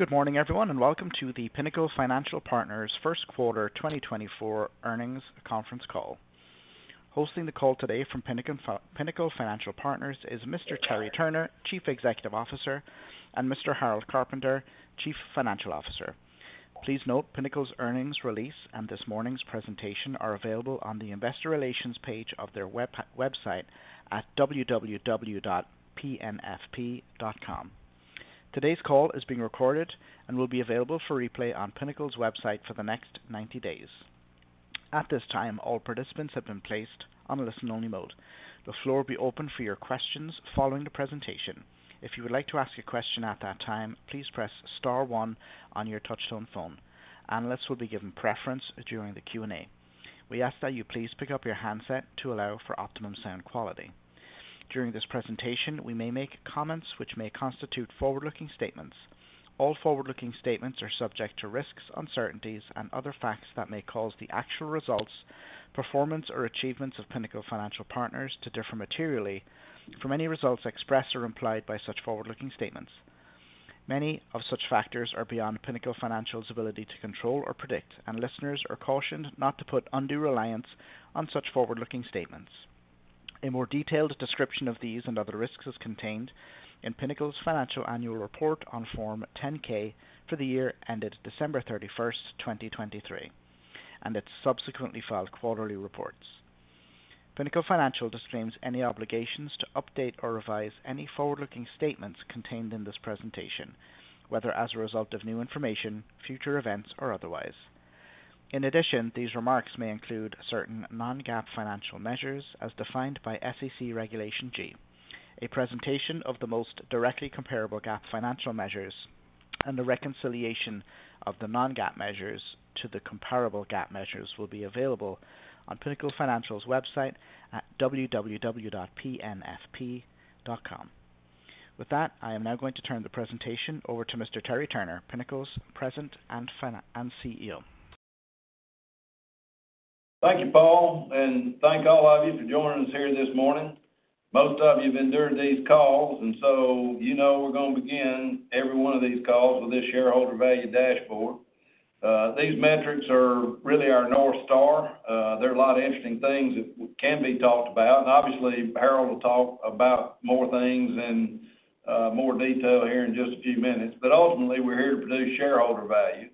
Good morning, everyone, and welcome to the Pinnacle Financial Partners first quarter 2024 earnings conference call. Hosting the call today from Pinnacle Financial Partners is Mr. Terry Turner, Chief Executive Officer, and Mr. Harold Carpenter, Chief Financial Officer. Please note, Pinnacle's earnings release and this morning's presentation are available on the investor relations page of their website at www.pnfp.com. Today's call is being recorded and will be available for replay on Pinnacle's website for the next 90 days. At this time, all participants have been placed on a listen-only mode. The floor will be open for your questions following the presentation. If you would like to ask a question at that time, please press star one on your touchtone phone. Analysts will be given preference during the Q&A. We ask that you please pick up your handset to allow for optimum sound quality. During this presentation, we may make comments which may constitute forward-looking statements. All forward-looking statements are subject to risks, uncertainties, and other facts that may cause the actual results, performance, or achievements of Pinnacle Financial Partners to differ materially from any results expressed or implied by such forward-looking statements. Many of such factors are beyond Pinnacle Financial Partners' ability to control or predict, and listeners are cautioned not to put undue reliance on such forward-looking statements. A more detailed description of these and other risks is contained in Pinnacle Financial Partners' Annual Report on Form 10-K for the year ended December 31st, 2023, and its subsequently filed quarterly reports. Pinnacle Financial Partners disclaims any obligations to update or revise any forward-looking statements contained in this presentation, whether as a result of new information, future events, or otherwise. In addition, these remarks may include certain non-GAAP financial measures, as defined by SEC Regulation G. A presentation of the most directly comparable GAAP financial measures and the reconciliation of the non-GAAP measures to the comparable GAAP measures will be available on Pinnacle Financial's website at www.pnfp.com. With that, I am now going to turn the presentation over to Mr. Terry Turner, Pinnacle's President and CEO. Thank you, Paul, and thank all of you for joining us here this morning. Most of you have endured these calls, and so you know we're going to begin every one of these calls with this shareholder value dashboard. These metrics are really our North Star. There are a lot of interesting things that can be talked about, and obviously, Harold will talk about more things in more detail here in just a few minutes. Ultimately, we're here to produce shareholder value,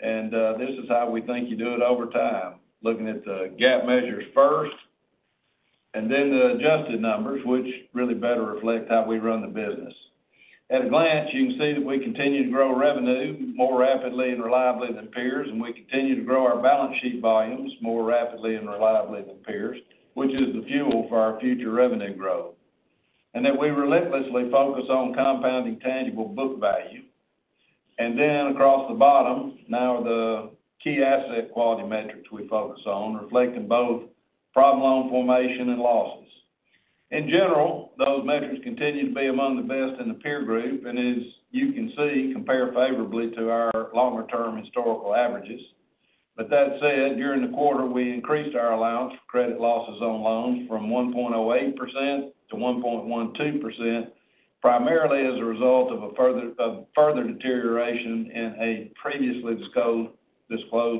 and this is how we think you do it over time, looking at the GAAP measures first, and then the adjusted numbers, which really better reflect how we run the business. At a glance, you can see that we continue to grow revenue more rapidly and reliably than peers, and we continue to grow our balance sheet volumes more rapidly and reliably than peers, which is the fuel for our future revenue growth. That we relentlessly focus on compounding tangible book value. Then across the bottom, now the key asset quality metrics we focus on, reflecting both problem loan formation and losses. In general, those metrics continue to be among the best in the peer group, and as you can see, compare favorably to our longer-term historical averages. But that said, during the quarter, we increased our allowance for credit losses on loans from 1.08% to 1.12%, primarily as a result of further deterioration in a previously disclosed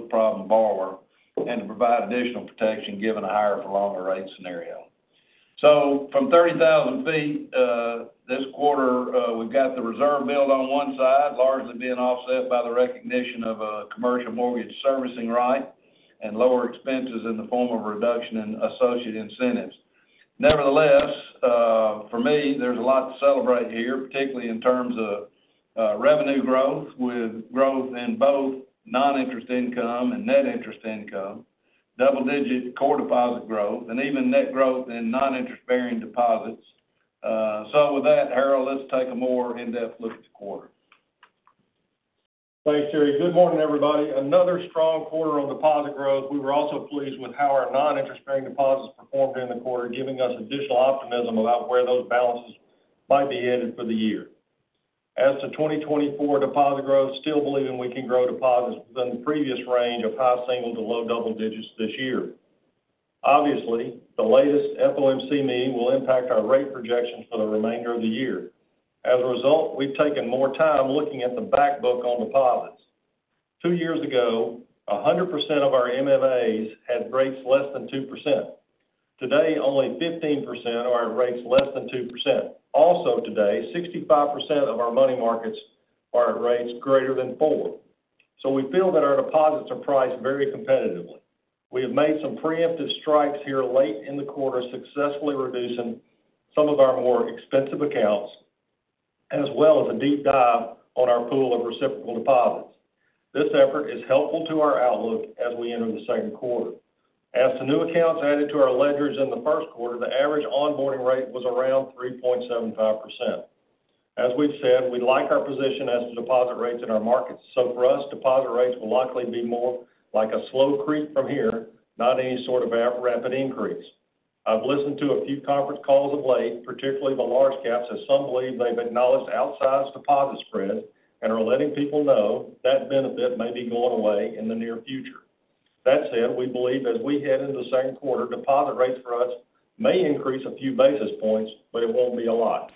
problem borrower, and to provide additional protection, given a higher for longer rate scenario. So from thirty thousand feet, this quarter, we've got the reserve build on one side, largely being offset by the recognition of a commercial mortgage servicing right and lower expenses in the form of a reduction in associate incentives. Nevertheless, for me, there's a lot to celebrate here, particularly in terms of revenue growth, with growth in both non-interest income and net interest income, double-digit core deposit growth, and even net growth in non-interest-bearing deposits. So with that, Harold, let's take a more in-depth look at the quarter. Thanks, Terry. Good morning, everybody. Another strong quarter on deposit growth. We were also pleased with how our non-interest-bearing deposits performed during the quarter, giving us additional optimism about where those balances might be headed for the year. As to 2024 deposit growth, still believing we can grow deposits within the previous range of high single to low double digits this year. Obviously, the latest FOMC meeting will impact our rate projections for the remainder of the year. As a result, we've taken more time looking at the back book on deposits. 2 years ago, 100% of our MMAs had rates less than 2%. Today, only 15% are at rates less than 2%. Also today, 65% of our money markets are at rates greater than 4. So we feel that our deposits are priced very competitively. We have made some preemptive strikes here late in the quarter, successfully reducing some of our more expensive accounts, as well as a deep dive on our pool of reciprocal deposits. This effort is helpful to our outlook as we enter the second quarter. As to new accounts added to our ledgers in the first quarter, the average onboarding rate was around 3.75%. As we've said, we like our position as to deposit rates in our markets. So for us, deposit rates will likely be more like a slow creep from here, not any sort of a rapid increase. I've listened to a few conference calls of late, particularly the large caps, as some believe they've acknowledged outsized deposit spread and are letting people know that benefit may be going away in the near future.... That said, we believe as we head into the second quarter, deposit rates for us may increase a few basis points, but it won't be a lot.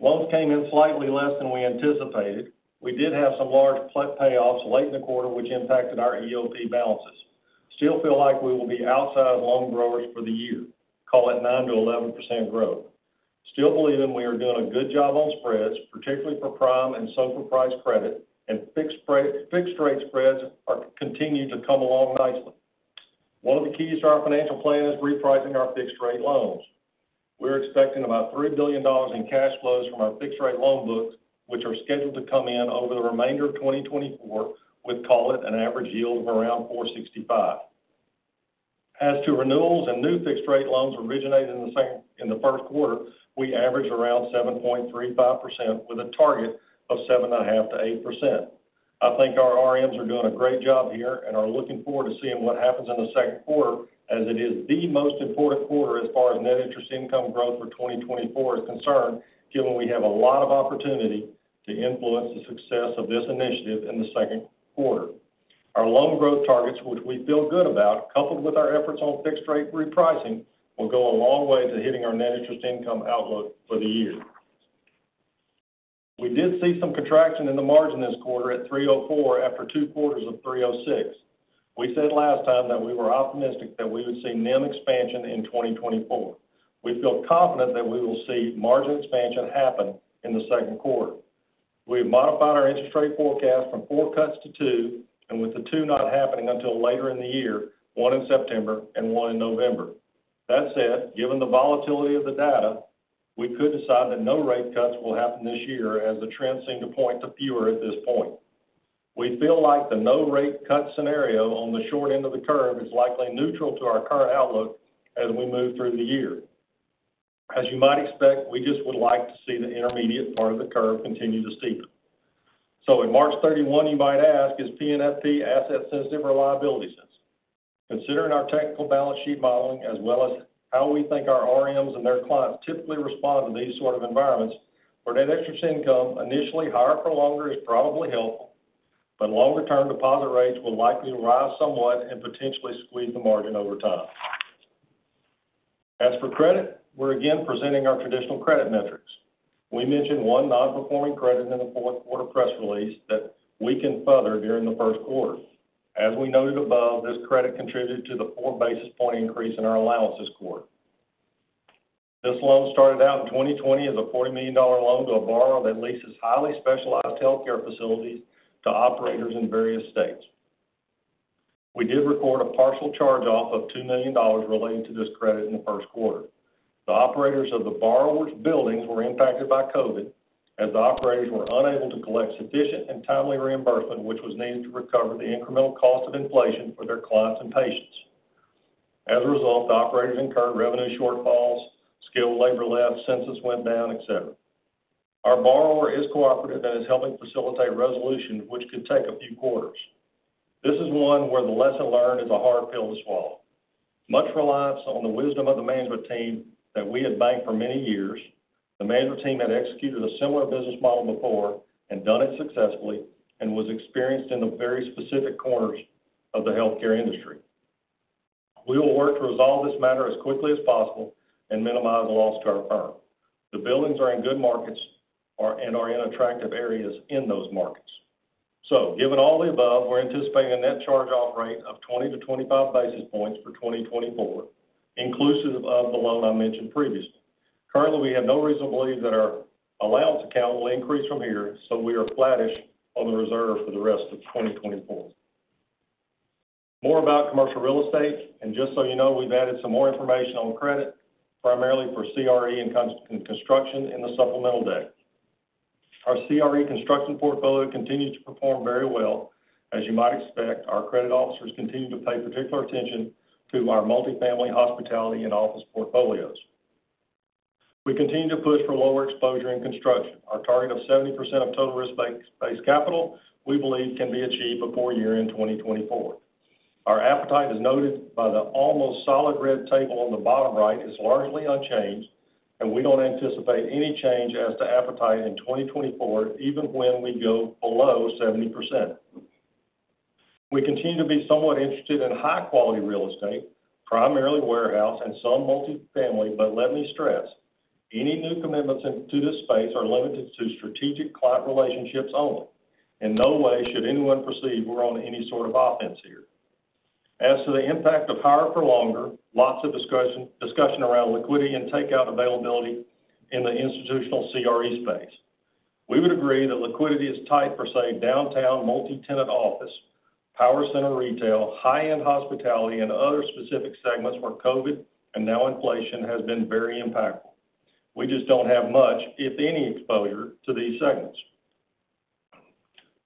Loans came in slightly less than we anticipated. We did have some large pre-payoffs late in the quarter, which impacted our EOP balances. Still feel like we will be outsized loan growers for the year, call it 9%-11% growth. Still believing we are doing a good job on spreads, particularly for prime and SOFR credit, and fixed spread, fixed rate spreads are continuing to come along nicely. One of the keys to our financial plan is repricing our fixed rate loans. We're expecting about $3 billion in cash flows from our fixed rate loan books, which are scheduled to come in over the remainder of 2024, with, call it, an average yield of around 4.65%. As to renewals and new fixed rate loans originated in the same, in the first quarter, we averaged around 7.35% with a target of 7.5%-8%. I think our RMs are doing a great job here and are looking forward to seeing what happens in the second quarter, as it is the most important quarter as far as net interest income growth for 2024 is concerned, given we have a lot of opportunity to influence the success of this initiative in the second quarter. Our loan growth targets, which we feel good about, coupled with our efforts on fixed rate repricing, will go a long way to hitting our net interest income outlook for the year. We did see some contraction in the margin this quarter at 304, after two quarters of 306. We said last time that we were optimistic that we would see NIM expansion in 2024. We feel confident that we will see margin expansion happen in the second quarter. We've modified our interest rate forecast from four cuts to two, and with the two not happening until later in the year, one in September and one in November. That said, given the volatility of the data, we could decide that no rate cuts will happen this year as the trends seem to point to fewer at this point. We feel like the no rate cut scenario on the short end of the curve is likely neutral to our current outlook as we move through the year. As you might expect, we just would like to see the intermediate part of the curve continue to steepen. So at March 31, you might ask, is PNFP asset sensitive or liability sensitive? Considering our technical balance sheet modeling, as well as how we think our RMs and their clients typically respond to these sort of environments, where net interest income, initially, higher for longer is probably helpful, but longer-term deposit rates will likely rise somewhat and potentially squeeze the margin over time. As for credit, we're again presenting our traditional credit metrics. We mentioned one nonperforming credit in the fourth quarter press release that weakened further during the first quarter. As we noted above, this credit contributed to the four basis points increase in our allowances quarter. This loan started out in 2020 as a $40 million loan to a borrower that leases highly specialized healthcare facilities to operators in various states. We did record a partial charge-off of $2 million relating to this credit in the first quarter. The operators of the borrower's buildings were impacted by COVID, as the operators were unable to collect sufficient and timely reimbursement, which was needed to recover the incremental cost of inflation for their clients and patients. As a result, the operators incurred revenue shortfalls, skilled labor left, census went down, et cetera. Our borrower is cooperative and is helping facilitate resolution, which could take a few quarters. This is one where the lesson learned is a hard pill to swallow. Much reliance on the wisdom of the management team that we had banked for many years, the management team had executed a similar business model before and done it successfully, and was experienced in the very specific corners of the healthcare industry. We will work to resolve this matter as quickly as possible and minimize the loss to our firm. The buildings are in good markets and are in attractive areas in those markets. So given all the above, we're anticipating a net charge-off rate of 20-25 basis points for 2024, inclusive of the loan I mentioned previously. Currently, we have no reason to believe that our allowance account will increase from here, so we are flattish on the reserve for the rest of 2024. More about commercial real estate, and just so you know, we've added some more information on credit, primarily for CRE and construction in the supplemental deck. Our CRE construction portfolio continues to perform very well. As you might expect, our credit officers continue to pay particular attention to our multifamily, hospitality, and office portfolios. We continue to push for lower exposure in construction. Our target of 70% of total risk-based capital, we believe, can be achieved before year-end 2024. Our appetite, as noted by the almost solid red table on the bottom right, is largely unchanged, and we don't anticipate any change as to appetite in 2024, even when we go below 70%. We continue to be somewhat interested in high-quality real estate, primarily warehouse and some multifamily, but let me stress, any new commitments into this space are limited to strategic client relationships only. In no way should anyone perceive we're on any sort of offense here. As to the impact of higher for longer, lots of discussion, discussion around liquidity and takeout availability in the institutional CRE space. We would agree that liquidity is tight for, say, downtown multi-tenant office, power center retail, high-end hospitality, and other specific segments where COVID, and now inflation, has been very impactful. We just don't have much, if any, exposure to these segments.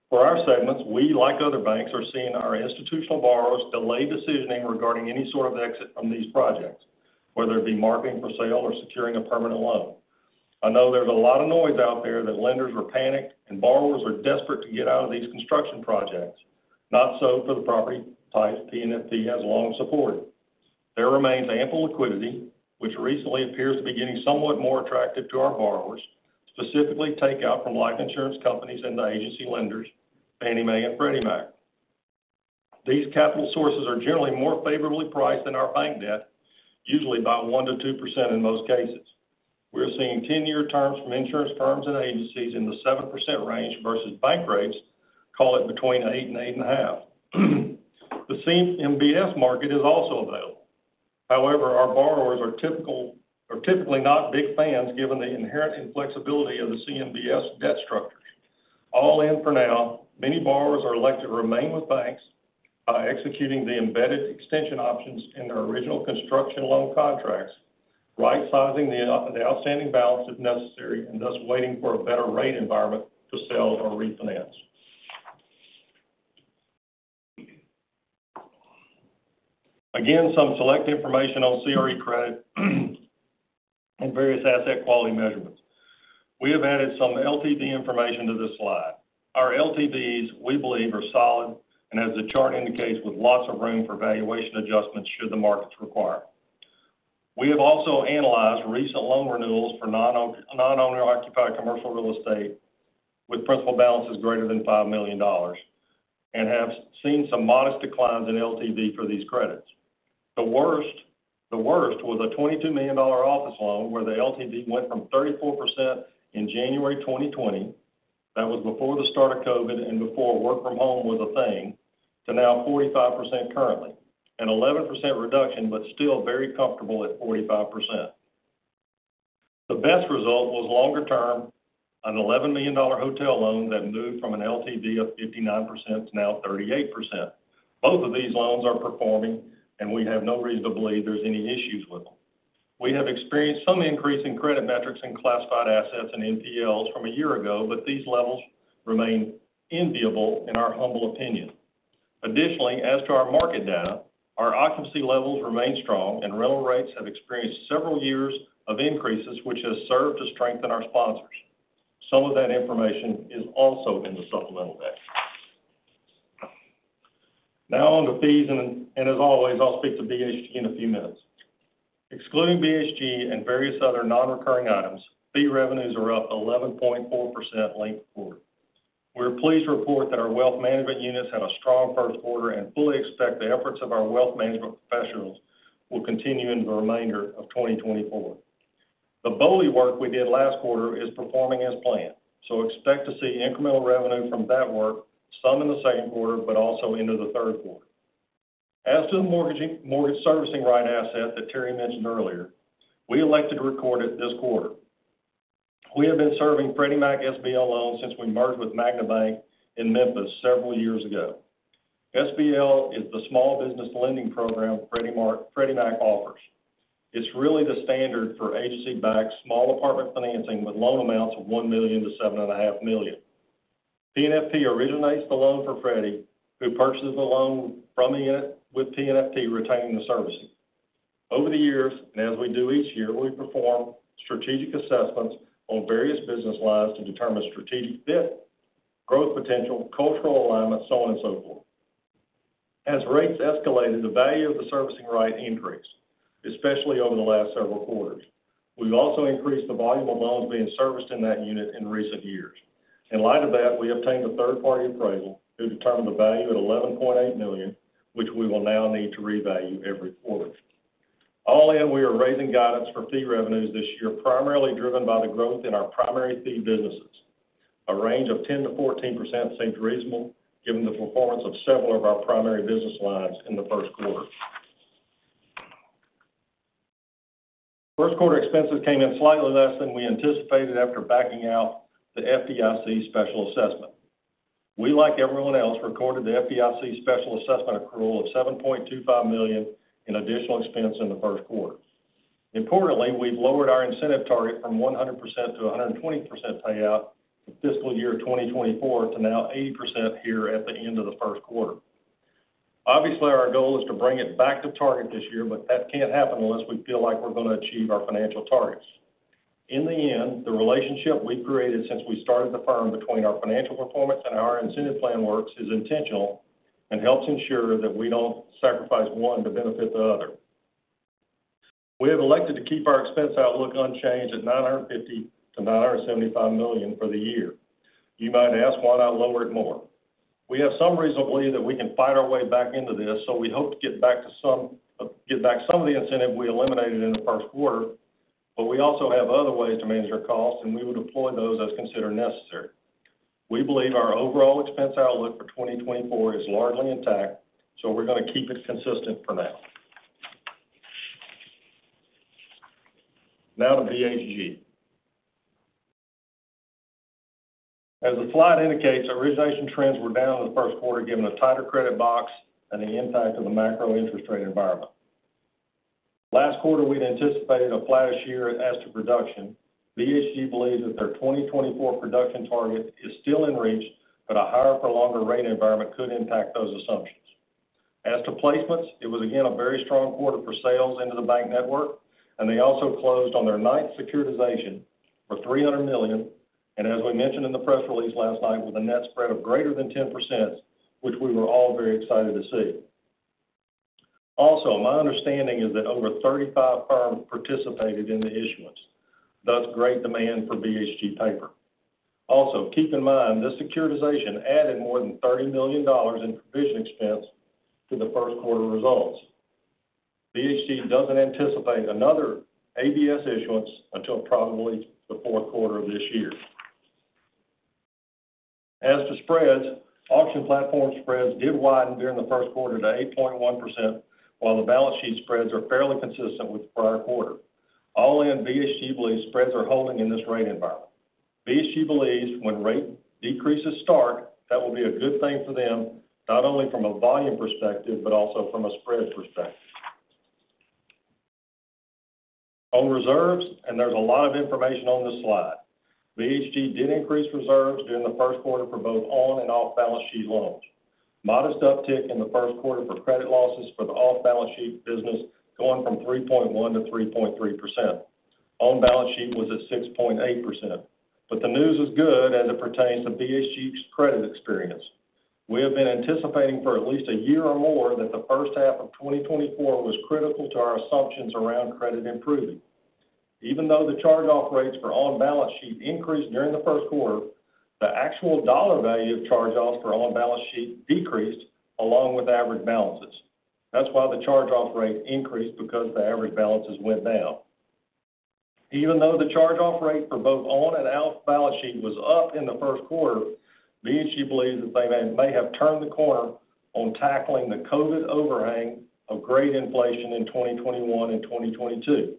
For our segments, we, like other banks, are seeing our institutional borrowers delay decisioning regarding any sort of exit from these projects, whether it be marketing for sale or securing a permanent loan. I know there's a lot of noise out there that lenders are panicked and borrowers are desperate to get out of these construction projects. Not so for the property types PNFP has long supported.... There remains ample liquidity, which recently appears to be getting somewhat more attractive to our borrowers, specifically takeout from life insurance companies and the agency lenders, Fannie Mae and Freddie Mac. These capital sources are generally more favorably priced than our bank debt, usually by 1%-2% in most cases. We're seeing 10-year terms from insurance firms and agencies in the 7% range versus bank rates, call it between 8%-8.5%. The CMBS market is also available. However, our borrowers are typically not big fans, given the inherent inflexibility of the CMBS debt structures. All in for now, many borrowers are elected to remain with banks by executing the embedded extension options in their original construction loan contracts, right-sizing the outstanding balance if necessary, and thus waiting for a better rate environment to sell or refinance. Again, some select information on CRE credit and various asset quality measurements. We have added some LTV information to this slide. Our LTVs, we believe, are solid, and as the chart indicates, with lots of room for valuation adjustments should the markets require. We have also analyzed recent loan renewals for non-owner-occupied commercial real estate with principal balances greater than $5 million, and have seen some modest declines in LTV for these credits. The worst, the worst was a $22 million office loan, where the LTV went from 34% in January 2020, that was before the start of COVID and before work from home was a thing, to now 45% currently, an 11% reduction, but still very comfortable at 45%. The best result was longer term, an $11 million hotel loan that moved from an LTV of 59% to now 38%. Both of these loans are performing, and we have no reason to believe there's any issues with them. We have experienced some increase in credit metrics in classified assets and NPLs from a year ago, but these levels remain enviable in our humble opinion. Additionally, as to our market data, our occupancy levels remain strong and rental rates have experienced several years of increases, which has served to strengthen our sponsors. Some of that information is also in the supplemental deck. Now on to fees, and as always, I'll speak to BHG in a few minutes. Excluding BHG and various other non-recurring items, fee revenues are up 11.4% linked quarter. We're pleased to report that our wealth management units had a strong first quarter, and fully expect the efforts of our wealth management professionals will continue in the remainder of 2024. The BOLI work we did last quarter is performing as planned, so expect to see incremental revenue from that work, some in the second quarter, but also into the third quarter. As to the mortgage servicing right asset that Terry mentioned earlier, we elected to record it this quarter. We have been serving Freddie Mac SBL loans since we merged with Magna Bank in Memphis several years ago. SBL is the small balance lending program Freddie Mac offers. It's really the standard for agency-backed small apartment financing with loan amounts of $1 million-$7.5 million. PNFP originates the loan for Freddie, who purchases the loan from the unit, with PNFP retaining the servicing. Over the years, and as we do each year, we perform strategic assessments on various business lines to determine strategic fit, growth potential, cultural alignment, so on and so forth. As rates escalated, the value of the servicing right increased, especially over the last several quarters. We've also increased the volume of loans being serviced in that unit in recent years. In light of that, we obtained a third-party appraisal, who determined the value at $11.8 million, which we will now need to revalue every quarter. All in, we are raising guidance for fee revenues this year, primarily driven by the growth in our primary fee businesses. A range of 10%-14% seems reasonable, given the performance of several of our primary business lines in the first quarter. First quarter expenses came in slightly less than we anticipated after backing out the FDIC special assessment. We, like everyone else, recorded the FDIC special assessment accrual of $7.25 million in additional expense in the first quarter. Importantly, we've lowered our incentive target from 100% to 120% payout for fiscal year 2024 to now 80% here at the end of the first quarter. Obviously, our goal is to bring it back to target this year, but that can't happen unless we feel like we're going to achieve our financial targets. In the end, the relationship we've created since we started the firm between our financial performance and our incentive plan works is intentional and helps ensure that we don't sacrifice one to benefit the other. We have elected to keep our expense outlook unchanged at $950 million-$975 million for the year. You might ask, why not lower it more? We have some reason to believe that we can fight our way back into this, so we hope to get back some of the incentive we eliminated in the first quarter, but we also have other ways to manage our costs, and we will deploy those as considered necessary. We believe our overall expense outlook for 2024 is largely intact, so we're going to keep it consistent for now. Now to BHG. As the slide indicates, our origination trends were down in the first quarter, given the tighter credit box and the impact of the macro interest rate environment. Last quarter, we'd anticipated a flat-ish year as to production. BHG believes that their 2024 production target is still in reach, but a higher prolonged rate environment could impact those assumptions. As to placements, it was again a very strong quarter for sales into the bank network, and they also closed on their ninth securitization for $300 million, and as we mentioned in the press release last night, with a net spread of greater than 10%, which we were all very excited to see. Also, my understanding is that over 35 firms participated in the issuance, thus great demand for BHG paper. Also, keep in mind, this securitization added more than $30 million in provision expense to the first quarter results. BHG doesn't anticipate another ABS issuance until probably the fourth quarter of this year. As to spreads, auction platform spreads did widen during the first quarter to 8.1%, while the balance sheet spreads are fairly consistent with the prior quarter. All in, BHG believes spreads are holding in this rate environment. BHG believes when rate decreases start, that will be a good thing for them, not only from a volume perspective, but also from a spreads perspective. On reserves, there's a lot of information on this slide. BHG did increase reserves during the first quarter for both on and off-balance sheet loans. Modest uptick in the first quarter for credit losses for the off-balance sheet business, going from 3.1% to 3.3%. On-balance sheet was at 6.8%. But the news is good as it pertains to BHG's credit experience. We have been anticipating for at least a year or more, that the first half of 2024 was critical to our assumptions around credit improving. Even though the charge-off rates for on-balance sheet increased during the first quarter, the actual dollar value of charge-offs for on-balance sheet decreased along with average balances. That's why the charge-off rate increased because the average balances went down. Even though the charge-off rate for both on and off-balance sheet was up in the first quarter, BHG believes that they may have turned the corner on tackling the COVID overhang of grade inflation in 2021 and 2022.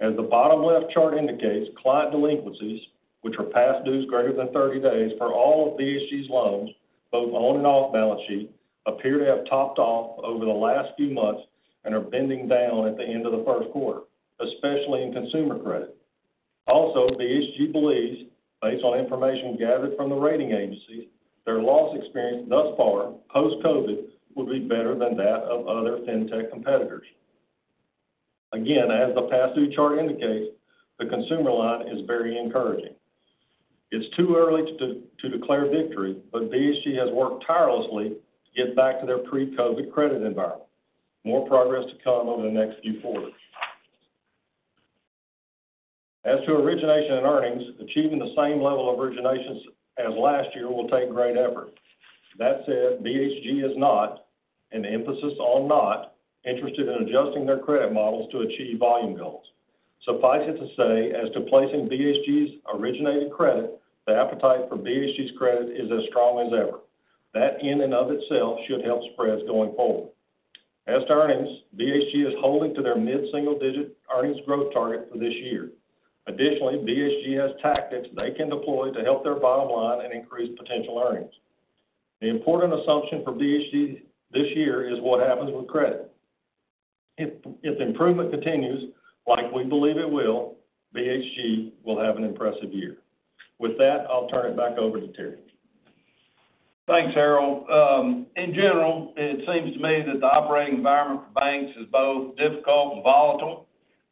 As the bottom left chart indicates, client delinquencies, which are past dues greater than 30 days for all of BHG's loans, both on and off balance sheet, appear to have topped off over the last few months and are bending down at the end of the first quarter, especially in consumer credit. Also, BHG believes, based on information gathered from the rating agencies, their loss experience thus far, post-COVID, will be better than that of other fintech competitors. Again, as the past due chart indicates, the consumer line is very encouraging. It's too early to declare victory, but BHG has worked tirelessly to get back to their pre-COVID credit environment. More progress to come over the next few quarters. As to origination and earnings, achieving the same level of originations as last year will take great effort. That said, BHG is not, and emphasis on not, interested in adjusting their credit models to achieve volume goals. Suffice it to say, as to placing BHG's originated credit, the appetite for BHG's credit is as strong as ever. That in and of itself, should help spreads going forward. As to earnings, BHG is holding to their mid-single-digit earnings growth target for this year. Additionally, BHG has tactics they can deploy to help their bottom line and increase potential earnings. The important assumption for BHG this year is what happens with credit. If the improvement continues, like we believe it will, BHG will have an impressive year. With that, I'll turn it back over to Terry. Thanks, Harold. In general, it seems to me that the operating environment for banks is both difficult and volatile.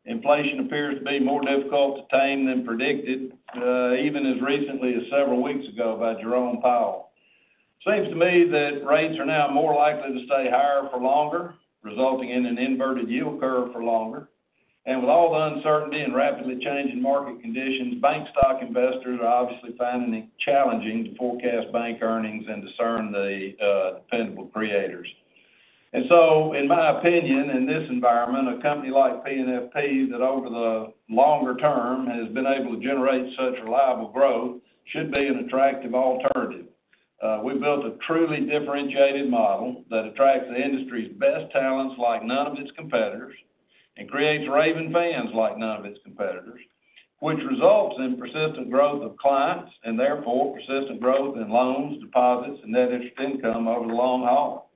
Inflation appears to be more difficult to tame than predicted, even as recently as several weeks ago by Jerome Powell. Seems to me that rates are now more likely to stay higher for longer, resulting in an inverted yield curve for longer. And with all the uncertainty and rapidly changing market conditions, bank stock investors are obviously finding it challenging to forecast bank earnings and discern the dependable creators. And so, in my opinion, in this environment, a company like PNFP, that over the longer term has been able to generate such reliable growth, should be an attractive alternative. We built a truly differentiated model that attracts the industry's best talents like none of its competitors, and creates raving fans like none of its competitors, which results in persistent growth of clients, and therefore persistent growth in loans, deposits, and net interest income over the long haul.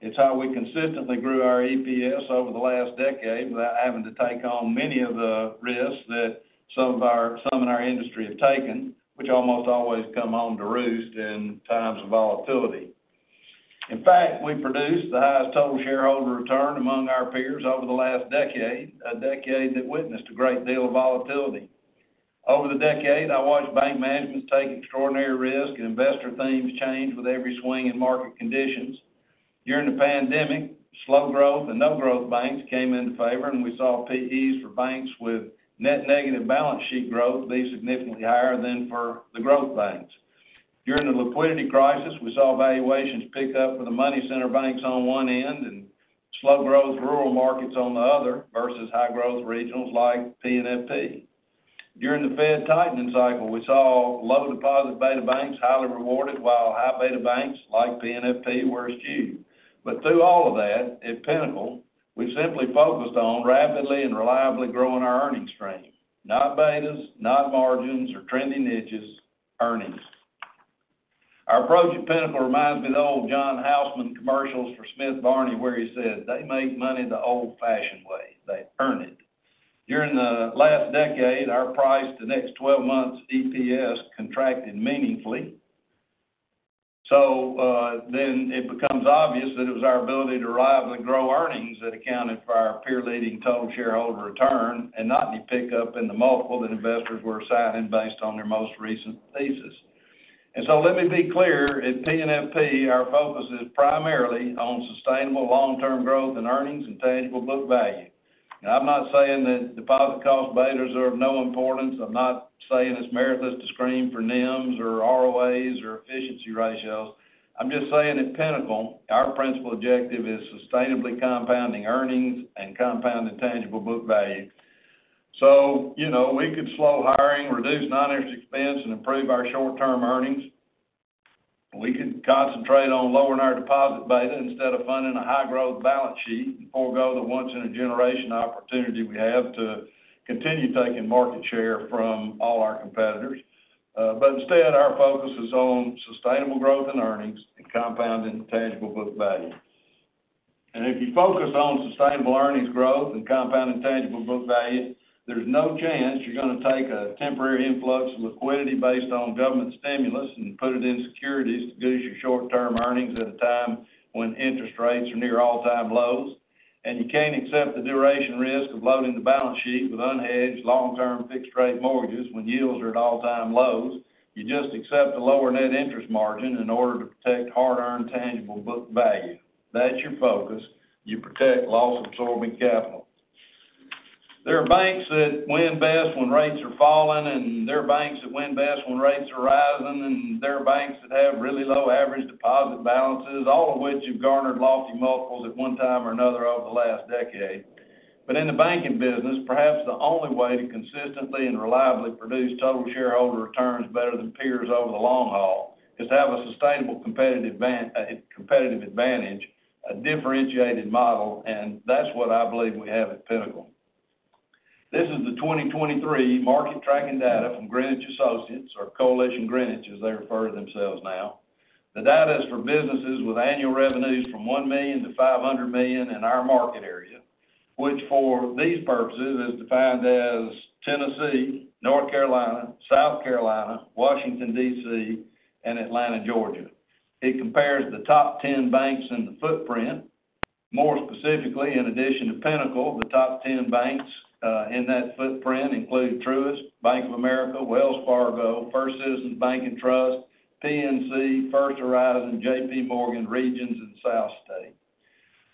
It's how we consistently grew our EPS over the last decade without having to take on many of the risks that some of our, some in our industry have taken, which almost always come home to roost in times of volatility. In fact, we produced the highest total shareholder return among our peers over the last decade, a decade that witnessed a great deal of volatility. Over the decade, I watched bank management take extraordinary risk, and investor themes change with every swing in market conditions. During the pandemic, slow growth and no growth banks came into favor, and we saw PEs for banks with net negative balance sheet growth be significantly higher than for the growth banks. During the liquidity crisis, we saw valuations pick up for the money center banks on one end, and slow growth rural markets on the other, versus high growth regionals like PNFP. During the Fed tightening cycle, we saw low deposit beta banks highly rewarded, while high beta banks, like PNFP, were eschewed. But through all of that, at Pinnacle, we simply focused on rapidly and reliably growing our earnings stream. Not betas, not margins, or trending niches, earnings. Our approach at Pinnacle reminds me of the old John Houseman commercials for Smith Barney, where he said, "They make money the old-fashioned way. They earn it." During the last decade, our P/E to the next 12 months EPS contracted meaningfully.... So, then it becomes obvious that it was our ability to reliably grow earnings that accounted for our peer-leading total shareholder return, and not any pickup in the multiple that investors were assigning based on their most recent thesis. And so let me be clear, at PNFP, our focus is primarily on sustainable long-term growth in earnings and tangible book value. And I'm not saying that deposit cost beta is of no importance. I'm not saying it's meritless to screen for NIMs or ROAs or efficiency ratios. I'm just saying at Pinnacle, our principal objective is sustainably compounding earnings and compounding tangible book value. So, you know, we could slow hiring, reduce non-interest expense, and improve our short-term earnings. We could concentrate on lowering our deposit beta instead of funding a high-growth balance sheet and forego the once-in-a-generation opportunity we have to continue taking market share from all our competitors. But instead, our focus is on sustainable growth in earnings and compounding tangible book value. And if you focus on sustainable earnings growth and compounding tangible book value, there's no chance you're going to take a temporary influx of liquidity based on government stimulus and put it in securities to boost your short-term earnings at a time when interest rates are near all-time lows, and you can't accept the duration risk of loading the balance sheet with unhedged, long-term, fixed-rate mortgages when yields are at all-time lows. You just accept a lower net interest margin in order to protect hard-earned tangible book value. That's your focus. You protect loss-absorbing capital. There are banks that win best when rates are falling, and there are banks that win best when rates are rising, and there are banks that have really low average deposit balances, all of which have garnered lofty multiples at one time or another over the last decade. But in the banking business, perhaps the only way to consistently and reliably produce total shareholder returns better than peers over the long haul is to have a sustainable competitive advantage, a differentiated model, and that's what I believe we have at Pinnacle. This is the 2023 market tracking data from Greenwich Associates, or Coalition Greenwich, as they refer to themselves now. The data is for businesses with annual revenues from $1 million-$500 million in our market area, which for these purposes, is defined as Tennessee, North Carolina, South Carolina, Washington, D.C., and Atlanta, Georgia. It compares the top 10 banks in the footprint. More specifically, in addition to Pinnacle, the top 10 banks in that footprint include Truist, Bank of America, Wells Fargo, First Citizens Bank & Trust, PNC, First Horizon, JPMorgan, Regions, and SouthState.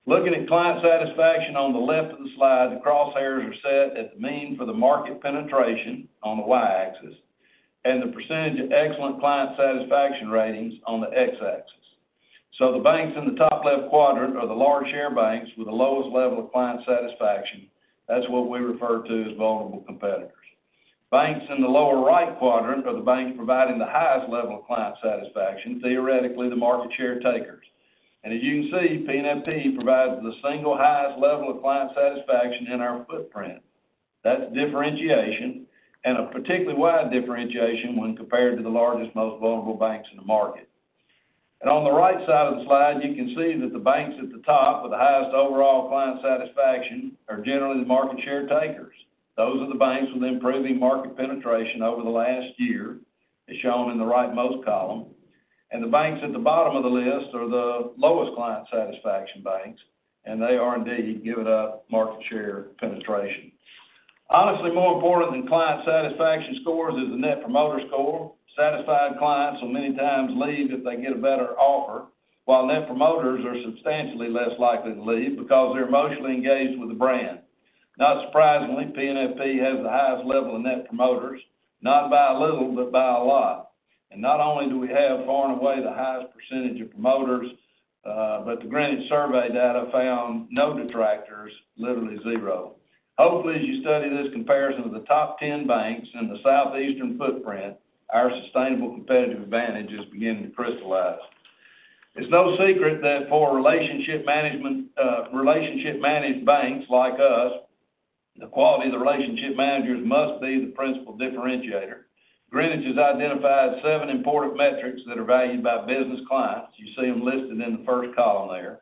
Looking at client satisfaction on the left of the slide, the crosshairs are set at the mean for the market penetration on the Y-axis, and the percentage of excellent client satisfaction ratings on the X-axis. So the banks in the top left quadrant are the large share banks with the lowest level of client satisfaction. That's what we refer to as vulnerable competitors. Banks in the lower right quadrant are the banks providing the highest level of client satisfaction, theoretically, the market share takers. And as you can see, PNFP provides the single highest level of client satisfaction in our footprint. That's differentiation, and a particularly wide differentiation when compared to the largest, most vulnerable banks in the market. On the right side of the slide, you can see that the banks at the top with the highest overall client satisfaction are generally the market share takers. Those are the banks with improving market penetration over the last year, as shown in the rightmost column. The banks at the bottom of the list are the lowest client satisfaction banks, and they are indeed giving up market share penetration. Honestly, more important than client satisfaction scores is the net promoter score. Satisfied clients will many times leave if they get a better offer, while net promoters are substantially less likely to leave because they're emotionally engaged with the brand. Not surprisingly, PNFP has the highest level of net promoters, not by a little, but by a lot. And not only do we have far and away the highest percentage of promoters, but the Greenwich survey data found no detractors, literally zero. Hopefully, as you study this comparison of the top ten banks in the Southeastern footprint, our sustainable competitive advantage is beginning to crystallize. It's no secret that for a relationship management, relationship managed banks like us, the quality of the relationship managers must be the principal differentiator. Greenwich has identified seven important metrics that are valued by business clients. You see them listed in the first column there.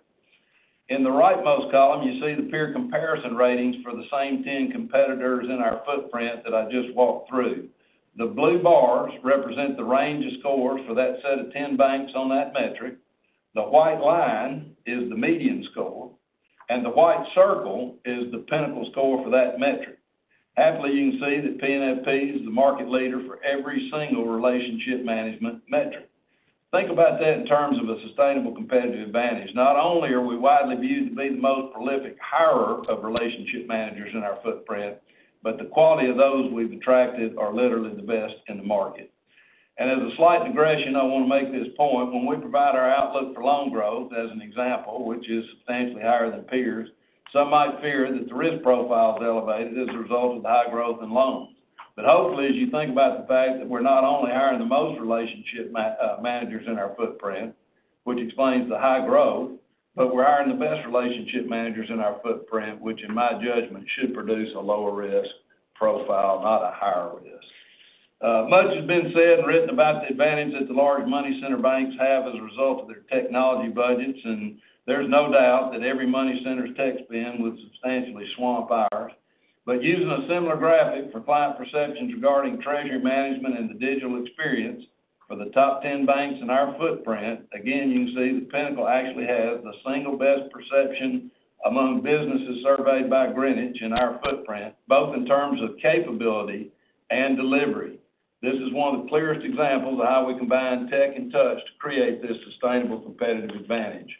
In the rightmost column, you see the peer comparison ratings for the same ten competitors in our footprint that I just walked through. The blue bars represent the range of scores for that set of ten banks on that metric. The white line is the median score, and the white circle is the Pinnacle score for that metric. Happily, you can see that PNFP is the market leader for every single relationship management metric. Think about that in terms of a sustainable competitive advantage. Not only are we widely viewed to be the most prolific hirer of relationship managers in our footprint, but the quality of those we've attracted are literally the best in the market. As a slight digression, I want to make this point: when we provide our outlook for loan growth, as an example, which is substantially higher than peers, some might fear that the risk profile is elevated as a result of the high growth in loans. But hopefully, as you think about the fact that we're not only hiring the most relationship managers in our footprint, which explains the high growth, but we're hiring the best relationship managers in our footprint, which, in my judgment, should produce a lower risk profile, not a higher risk. Much has been said and written about the advantage that the large money center banks have as a result of their technology budgets, and there's no doubt that every money center's tech spend would substantially swamp ours. But using a similar graphic for client perceptions regarding treasury management and the digital experience for the top ten banks in our footprint, again, you can see that Pinnacle actually has the single best perception among businesses surveyed by Greenwich in our footprint, both in terms of capability and delivery. This is one of the clearest examples of how we combine tech and touch to create this sustainable competitive advantage.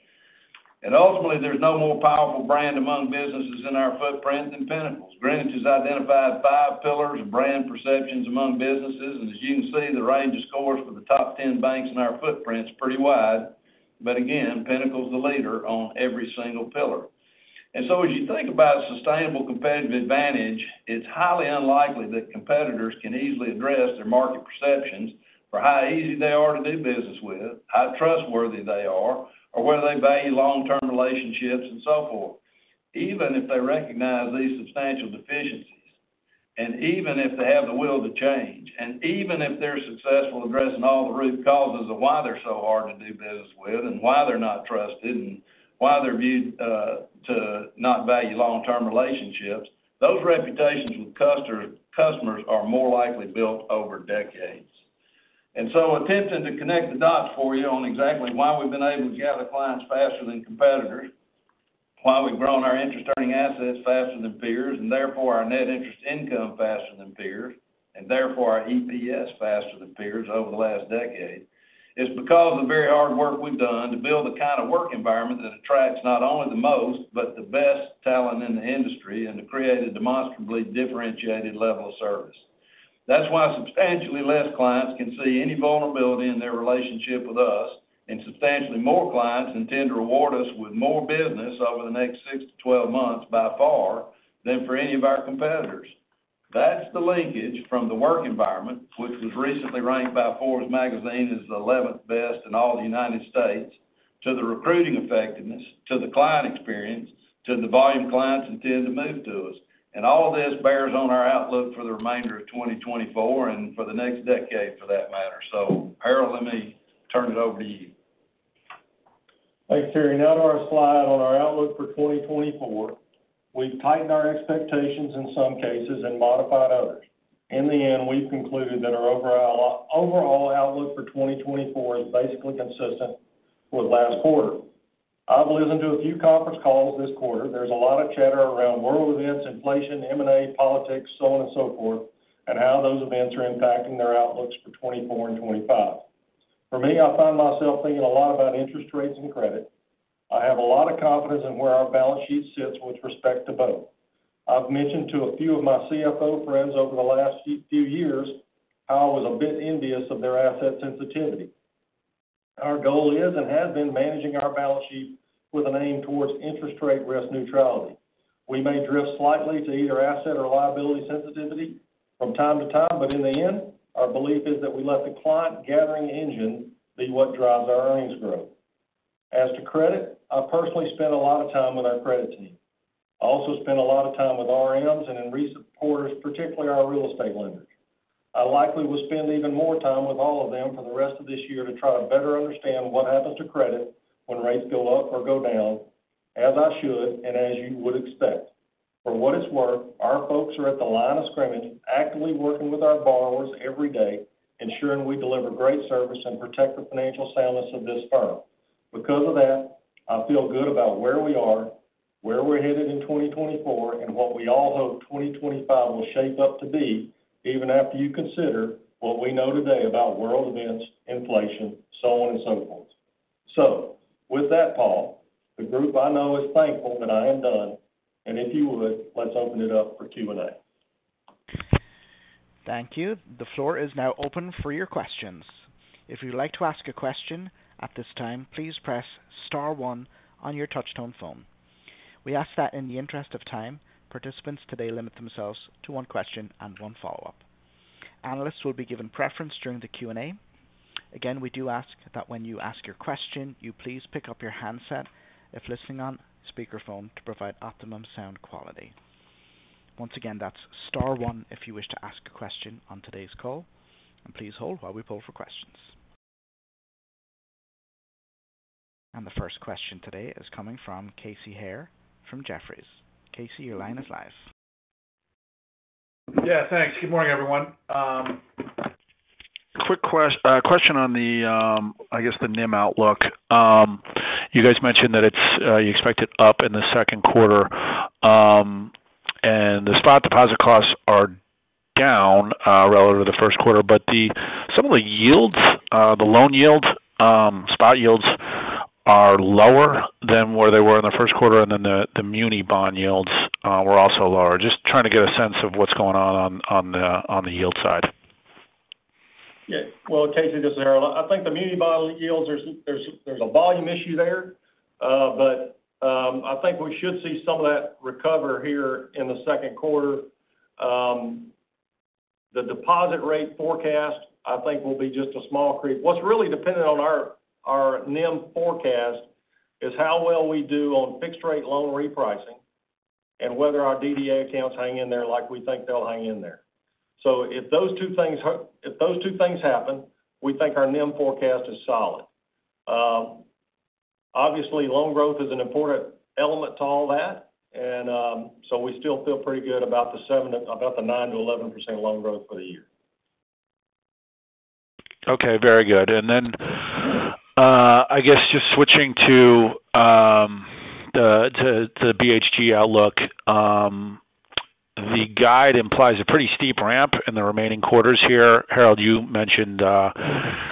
Ultimately, there's no more powerful brand among businesses in our footprint than Pinnacle's. Greenwich has identified five pillars of brand perceptions among businesses, and as you can see, the range of scores for the top 10 banks in our footprint is pretty wide. But again, Pinnacle is the leader on every single pillar. And so as you think about sustainable competitive advantage, it's highly unlikely that competitors can easily address their market perceptions for how easy they are to do business with, how trustworthy they are, or whether they value long-term relationships, and so forth, even if they recognize these substantial deficiencies, and even if they have the will to change, and even if they're successful in addressing all the root causes of why they're so hard to do business with, and why they're not trusted, and why they're viewed to not value long-term relationships, those reputations with customers are more likely built over decades. And so attempting to connect the dots for you on exactly why we've been able to gather clients faster than competitors, why we've grown our interest-earning assets faster than peers, and therefore our net interest income faster than peers, and therefore our EPS faster than peers over the last decade, is because of the very hard work we've done to build the kind of work environment that attracts not only the most, but the best talent in the industry, and to create a demonstrably differentiated level of service. That's why substantially less clients can see any vulnerability in their relationship with us, and substantially more clients intend to reward us with more business over the next 6-12 months, by far, than for any of our competitors. That's the linkage from the work environment, which was recently ranked by Forbes magazine as the 11th best in all the United States, to the recruiting effectiveness, to the client experience, to the volume clients intend to move to us. All this bears on our outlook for the remainder of 2024 and for the next decade, for that matter. Harold, let me turn it over to you. Thanks, Terry. Now to our slide on our outlook for 2024. We've tightened our expectations in some cases and modified others. In the end, we've concluded that our overall, overall outlook for 2024 is basically consistent with last quarter. I've listened to a few conference calls this quarter. There's a lot of chatter around world events, inflation, M&A, politics, so on and so forth, and how those events are impacting their outlooks for 2024 and 2025. For me, I find myself thinking a lot about interest rates and credit. I have a lot of confidence in where our balance sheet sits with respect to both. I've mentioned to a few of my CFO friends over the last few, few years how I was a bit envious of their asset sensitivity. Our goal is, and has been, managing our balance sheet with an aim towards interest rate risk neutrality. We may drift slightly to either asset or liability sensitivity from time to time, but in the end, our belief is that we let the client-gathering engine be what drives our earnings growth. As to credit, I personally spend a lot of time with our credit team. I also spend a lot of time with RMs and in recent quarters, particularly our real estate lenders. I likely will spend even more time with all of them for the rest of this year to try to better understand what happens to credit when rates go up or go down, as I should, and as you would expect. For what it's worth, our folks are at the line of scrimmage, actively working with our borrowers every day, ensuring we deliver great service and protect the financial soundness of this firm. Because of that, I feel good about where we are, where we're headed in 2024, and what we all hope 2025 will shape up to be, even after you consider what we know today about world events, inflation, so on and so forth. So with that, Paul, the group I know is thankful that I am done, and if you would, let's open it up for Q&A. Thank you. The floor is now open for your questions. If you'd like to ask a question at this time, please press star one on your touchtone phone. We ask that in the interest of time, participants today limit themselves to one question and one follow-up. Analysts will be given preference during the Q&A. Again, we do ask that when you ask your question, you please pick up your handset, if listening on speakerphone, to provide optimum sound quality. Once again, that's star one if you wish to ask a question on today's call, and please hold while we pull for questions. The first question today is coming from Casey Haire from Jefferies. Casey, your line is live. Yeah, thanks. Good morning, everyone. Quick question on the, I guess, the NIM outlook. You guys mentioned that it's, you expect it up in the second quarter, and the spot deposit costs are down, relative to the first quarter, but some of the yields, the loan yields, spot yields are lower than where they were in the first quarter, and then the muni bond yields were also lower. Just trying to get a sense of what's going on on the yield side. Yeah. Well, Casey, this is Harold. I think the muni bond yields, there's a volume issue there, but I think we should see some of that recover here in the second quarter. The deposit rate forecast, I think, will be just a small creep. What's really dependent on our NIM forecast is how well we do on fixed rate loan repricing and whether our DDA accounts hang in there like we think they'll hang in there. So if those two things happen, we think our NIM forecast is solid. Obviously, loan growth is an important element to all that, and so we still feel pretty good about the 9%-11% loan growth for the year. Okay, very good. And then, I guess just switching to the BHG outlook. The guide implies a pretty steep ramp in the remaining quarters here. Harold, you mentioned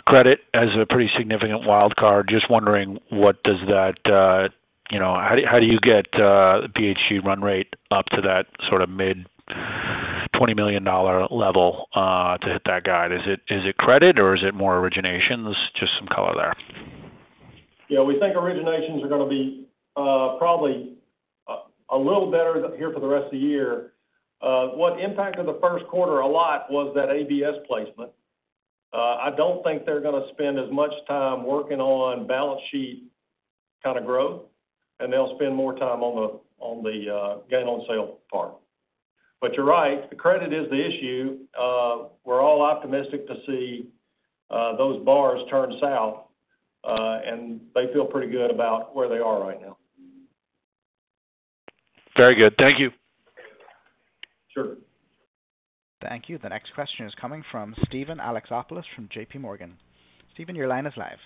credit as a pretty significant wild card. Just wondering, what does that you know, how do you get the BHG run rate up to that sort of mid-$20 million level to hit that guide? Is it credit, or is it more originations? Just some color there. Yeah, we think originations are going to be probably a little better here for the rest of the year. What impacted the first quarter a lot was that ABS placement. I don't think they're going to spend as much time working on balance sheet kind of growth, and they'll spend more time on the gain on sale part. But you're right, the credit is the issue. We're all optimistic to see those bars turn south, and they feel pretty good about where they are right now. Very good. Thank you. Sure. Thank you. The next question is coming from Steven Alexopoulos from JPMorgan. Steven, your line is live.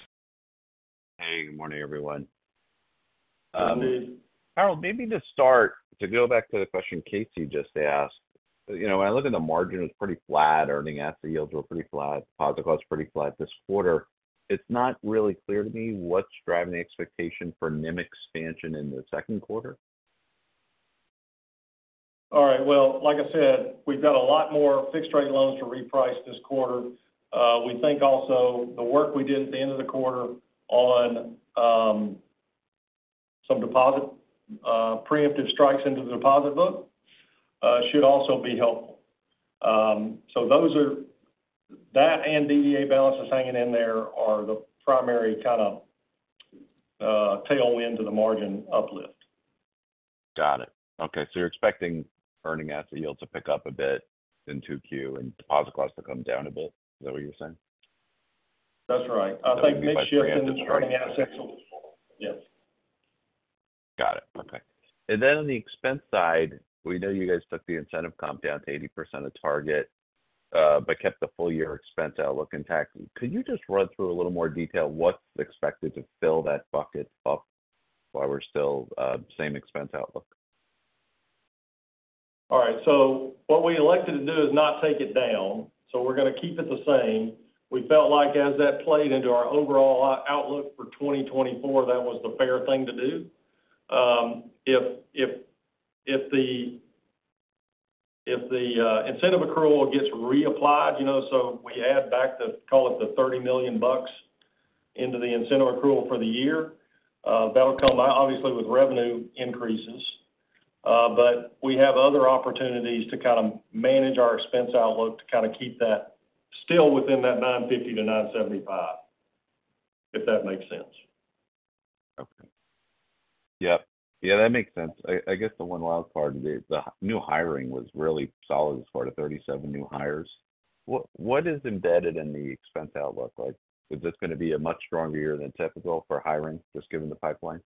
Hey, good morning, everyone. Good morning. Harold, maybe to start, to go back to the question Casey just asked. You know, when I look at the margin, it's pretty flat. Earning asset yields were pretty flat, positive costs pretty flat this quarter. It's not really clear to me what's driving the expectation for NIM expansion in the second quarter? All right. Well, like I said, we've got a lot more fixed-rate loans to reprice this quarter. We think also the work we did at the end of the quarter on some deposit preemptive strikes into the deposit book should also be helpful. So those are that and DDA balances hanging in there are the primary kind of tailwind to the margin uplift. Got it. Okay, so you're expecting earning asset yield to pick up a bit in 2Q and deposit costs to come down a bit? Is that what you're saying? That's right. I think midyear, yes. Got it. Okay. And then on the expense side, we know you guys took the incentive comp down to 80% of target, but kept the full year expense outlook intact. Could you just run through a little more detail, what's expected to fill that bucket up while we're still same expense outlook? All right. So what we elected to do is not take it down, so we're going to keep it the same. We felt like as that played into our overall outlook for 2024, that was the fair thing to do. If the incentive accrual gets reapplied, you know, so we add back the, call it the $30 million into the incentive accrual for the year, that'll come, obviously, with revenue increases. But we have other opportunities to kind of manage our expense outlook to kind of keep that still within that $950 million-$975 million, if that makes sense. Okay. Yep. Yeah, that makes sense. I guess the one wild card, the new hiring was really solid as far as the 37 new hires. What is embedded in the expense outlook like? Is this going to be a much stronger year than typical for hiring, just given the pipeline?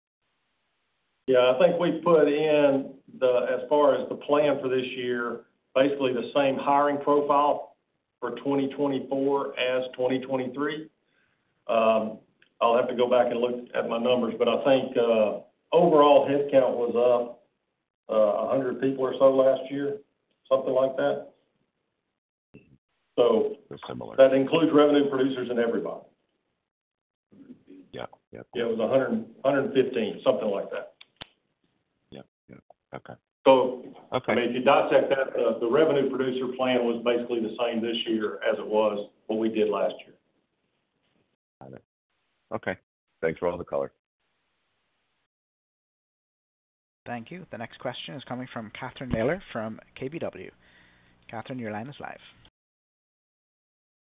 Yeah, I think we put in the... as far as the plan for this year, basically the same hiring profile for 2024 as 2023. I'll have to go back and look at my numbers, but I think, overall, headcount was up, 100 people or so last year, something like that. So similar. That includes revenue producers and everybody. Yeah. Yep. Yeah, it was a hundred and, hundred and 115, something like that. Yep. Yep. Okay. So- Okay. I mean, if you dissect that, the revenue producer plan was basically the same this year as it was what we did last year. Got it. Okay. Thanks for all the color. Thank you. The next question is coming from Catherine Mealor from KBW. Katherine, your line is live.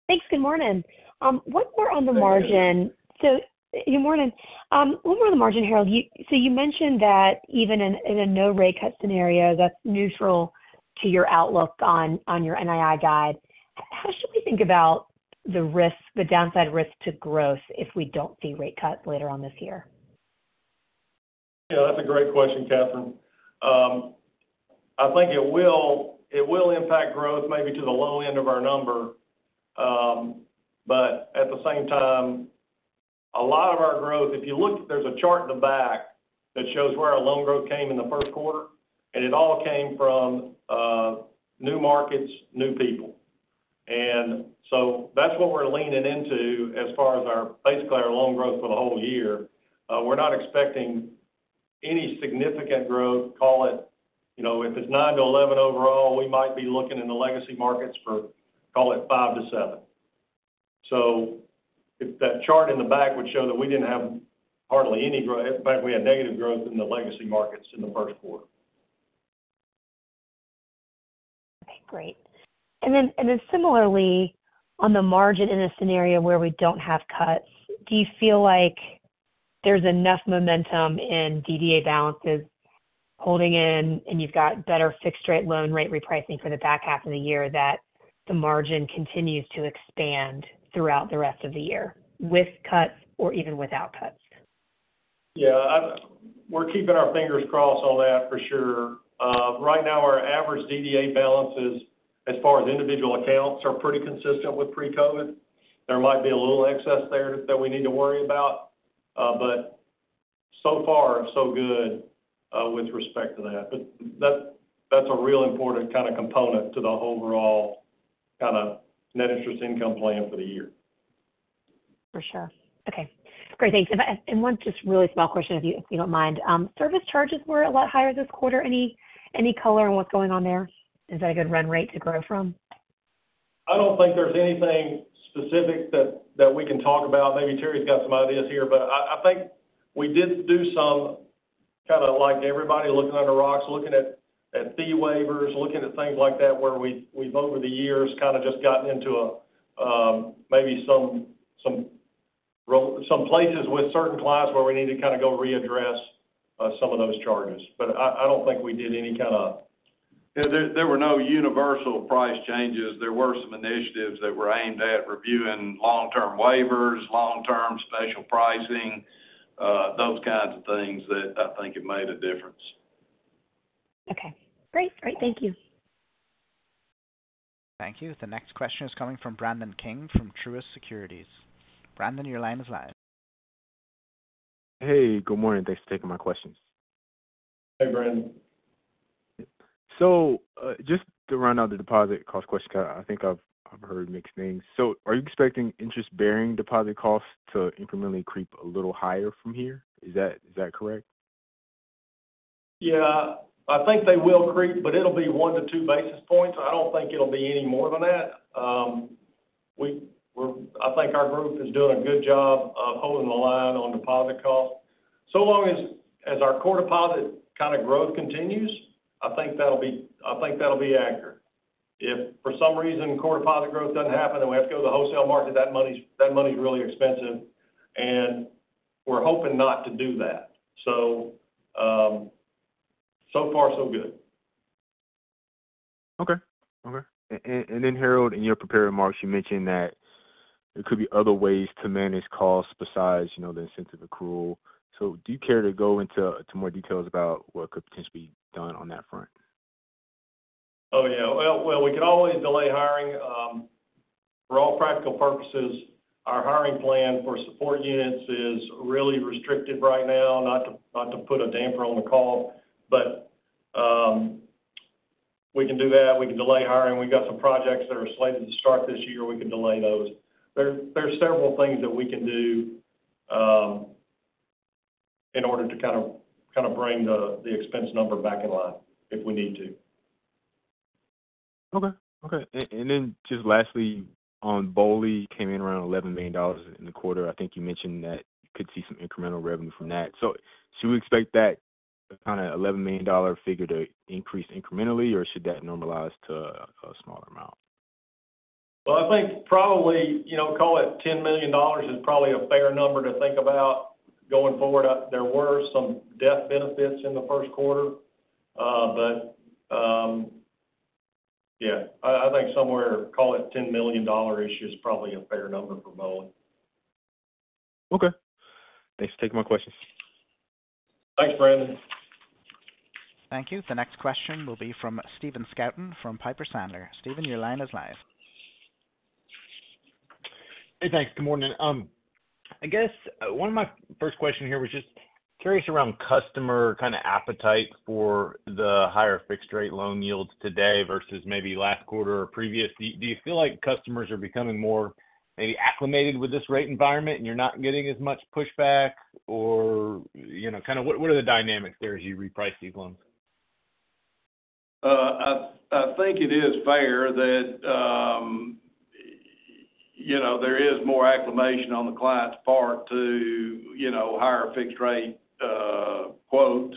Thanks. Good morning. One more on the margin. So good morning. One more on the margin, Harold. You, so you mentioned that even in a no rate cut scenario, that's neutral to your outlook on your NII guide. How should we think about the risks, the downside risks to growth if we don't see rate cuts later on this year? Yeah, that's a great question, Catherine. I think it will, it will impact growth maybe to the low end of our number. But at the same time, a lot of our growth, if you look, there's a chart in the back that shows where our loan growth came in the first quarter, and it all came from new markets, new people. And so that's what we're leaning into as far as our, basically, our loan growth for the whole year. We're not expecting any significant growth, call it, you know, if it's 9-11 overall, we might be looking in the legacy markets for, call it, 5-7. So if that chart in the back would show that we didn't have hardly any growth, in fact, we had negative growth in the legacy markets in the first quarter. Okay, great. And then, and then similarly, on the margin, in a scenario where we don't have cuts, do you feel like there's enough momentum in DDA balances?... holding in, and you've got better fixed rate loan rate repricing for the back half of the year, that the margin continues to expand throughout the rest of the year, with cuts or even without cuts? Yeah, we're keeping our fingers crossed on that for sure. Right now, our average DDA balances, as far as individual accounts, are pretty consistent with pre-COVID. There might be a little excess there that we need to worry about, but so far, so good, with respect to that. But that, that's a real important kind of component to the overall kind of net interest income plan for the year. For sure. Okay, great. Thanks. And one just really small question, if you don't mind. Service charges were a lot higher this quarter. Any color on what's going on there? Is that a good run rate to grow from? I don't think there's anything specific that we can talk about. Maybe Terry's got some ideas here, but I think we did do some kind of like everybody looking under rocks, looking at fee waivers, looking at things like that, where we've over the years kind of just gotten into a maybe some places with certain clients where we need to kind of go readdress some of those charges. But I don't think we did any kind of- Yeah, there were no universal price changes. There were some initiatives that were aimed at reviewing long-term waivers, long-term special pricing, those kinds of things that I think it made a difference. Okay, great. Great. Thank you. Thank you. The next question is coming from Brandon King from Truist Securities. Brandon, your line is live. Hey, good morning. Thanks for taking my questions. Hi, Brandon. Just to run out the deposit cost question, because I think I've heard mixed things. Are you expecting interest-bearing deposit costs to incrementally creep a little higher from here? Is that correct? Yeah, I think they will creep, but it'll be 1-2 basis points. I don't think it'll be any more than that. We're—I think our group is doing a good job of holding the line on deposit costs. So long as, as our core deposit kind of growth continues, I think that'll be accurate. If for some reason, core deposit growth doesn't happen, and we have to go to the wholesale market, that money's, that money's really expensive, and we're hoping not to do that. So, so far, so good. Okay. And then, Harold, in your prepared remarks, you mentioned that there could be other ways to manage costs besides, you know, the incentive accrual. So do you care to go into more details about what could potentially be done on that front? Oh, yeah. Well, well, we can always delay hiring. For all practical purposes, our hiring plan for support units is really restricted right now, not to put a damper on the call, but we can do that. We can delay hiring. We've got some projects that are slated to start this year, we can delay those. There are several things that we can do in order to kind of bring the expense number back in line, if we need to. Okay. Okay. And, and then just lastly, on BOLI, you came in around $11 million in the quarter. I think you mentioned that you could see some incremental revenue from that. So should we expect that kind of $11 million dollar figure to increase incrementally, or should that normalize to a, a smaller amount? Well, I think probably, you know, call it $10 million is probably a fair number to think about going forward. There were some death benefits in the first quarter, but, I think somewhere, call it $10 million dollar issue is probably a fair number for BOLI. Okay. Thanks for taking my questions. Thanks, Brandon. Thank you. The next question will be from Stephen Scouten, from Piper Sandler. Stephen, your line is live. Hey, thanks. Good morning. I guess one of my first question here was just curious around customer kind of appetite for the higher fixed rate loan yields today versus maybe last quarter or previous. Do you feel like customers are becoming more maybe acclimated with this rate environment, and you're not getting as much pushback? Or, you know, kind of what are the dynamics there as you reprice these loans? I think it is fair that, you know, there is more acclimation on the client's part to, you know, higher fixed rate quote.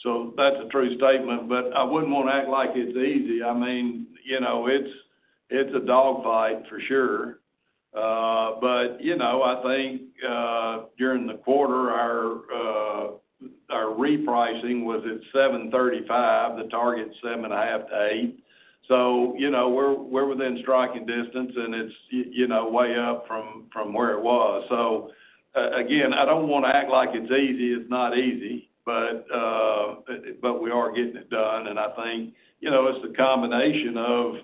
So that's a true statement, but I wouldn't want to act like it's easy. I mean, you know, it's a dogfight for sure. But, you know, I think during the quarter, our repricing was at 735, the target 7.5-8. So, you know, we're within striking distance, and it's you know, way up from where it was. So, again, I don't want to act like it's easy. It's not easy, but we are getting it done, and I think, you know, it's the combination of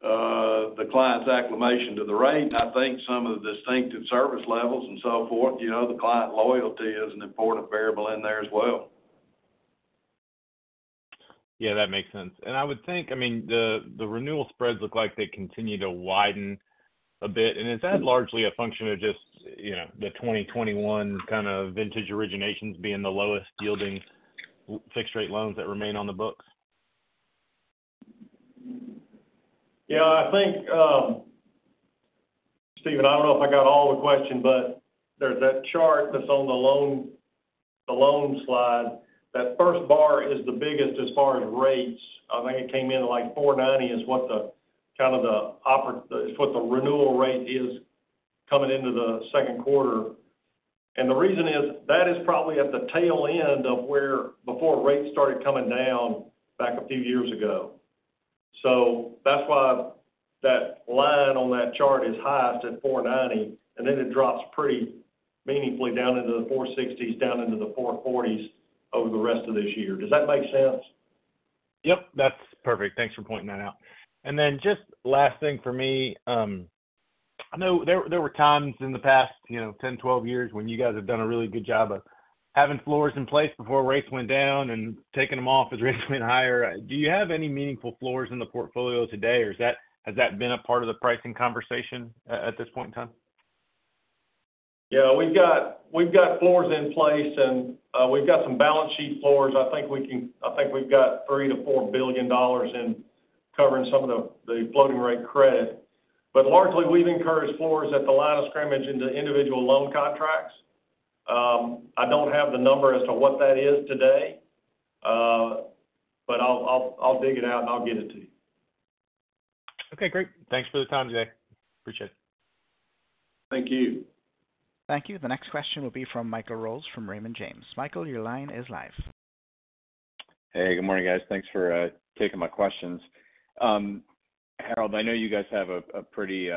the client's acclimation to the rate. I think some of the distinctive service levels and so forth, you know, the client loyalty is an important variable in there as well. Yeah, that makes sense. I would think, I mean, the renewal spreads look like they continue to widen a bit. Is that largely a function of just, you know, the 2021 kind of vintage originations being the lowest yielding fixed rate loans that remain on the books? Yeah, I think, Stephen, I don't know if I got all the question, but there's that chart that's on the loan, the loan slide. That first bar is the biggest as far as rates. I think it came in at, like, 4.90 is what the renewal rate is.... coming into the second quarter. The reason is, that is probably at the tail end of where before rates started coming down back a few years ago. That's why that line on that chart is highest at 4.90, and then it drops pretty meaningfully down into the 4.60s, down into the 4.40s over the rest of this year. Does that make sense? Yep, that's perfect. Thanks for pointing that out. And then just last thing for me, I know there, there were times in the past, you know, 10, 12 years when you guys have done a really good job of having floors in place before rates went down and taking them off as rates went higher. Do you have any meaningful floors in the portfolio today, or is that—has that been a part of the pricing conversation at, at this point in time? Yeah, we've got floors in place, and we've got some balance sheet floors. I think we've got $3 billion-$4 billion covering some of the floating rate credit. But largely, we've encouraged floors at the line of scrimmage in the individual loan contracts. I don't have the number as to what that is today, but I'll dig it out and I'll get it to you. Okay, great. Thanks for the time today. Appreciate it. Thank you. Thank you. The next question will be from Michael Rose from Raymond James. Michael, your line is live. Hey, good morning, guys. Thanks for taking my questions. Harold, I know you guys have a pretty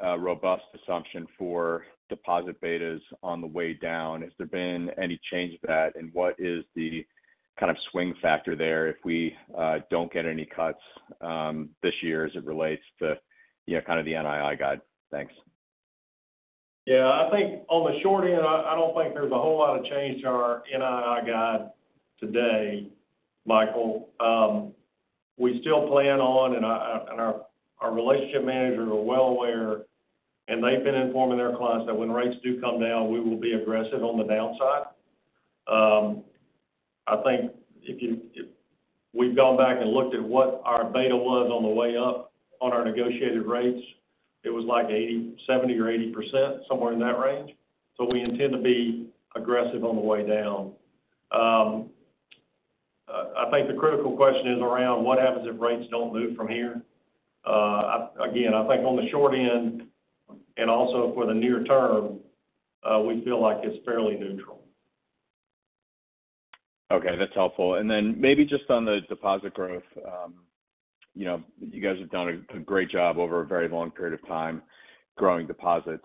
robust assumption for deposit betas on the way down. Has there been any change to that? And what is the kind of swing factor there if we don't get any cuts this year as it relates to, you know, kind of the NII guide? Thanks. Yeah, I think on the short end, I don't think there's a whole lot of change to our NII guide today, Michael. We still plan on, and our relationship managers are well aware, and they've been informing their clients, that when rates do come down, we will be aggressive on the downside. I think we've gone back and looked at what our beta was on the way up on our negotiated rates, it was like 70 or 80%, somewhere in that range. So we intend to be aggressive on the way down. I think the critical question is around what happens if rates don't move from here? Again, I think on the short end, and also for the near term, we feel like it's fairly neutral. Okay, that's helpful. And then maybe just on the deposit growth, you know, you guys have done a great job over a very long period of time growing deposits.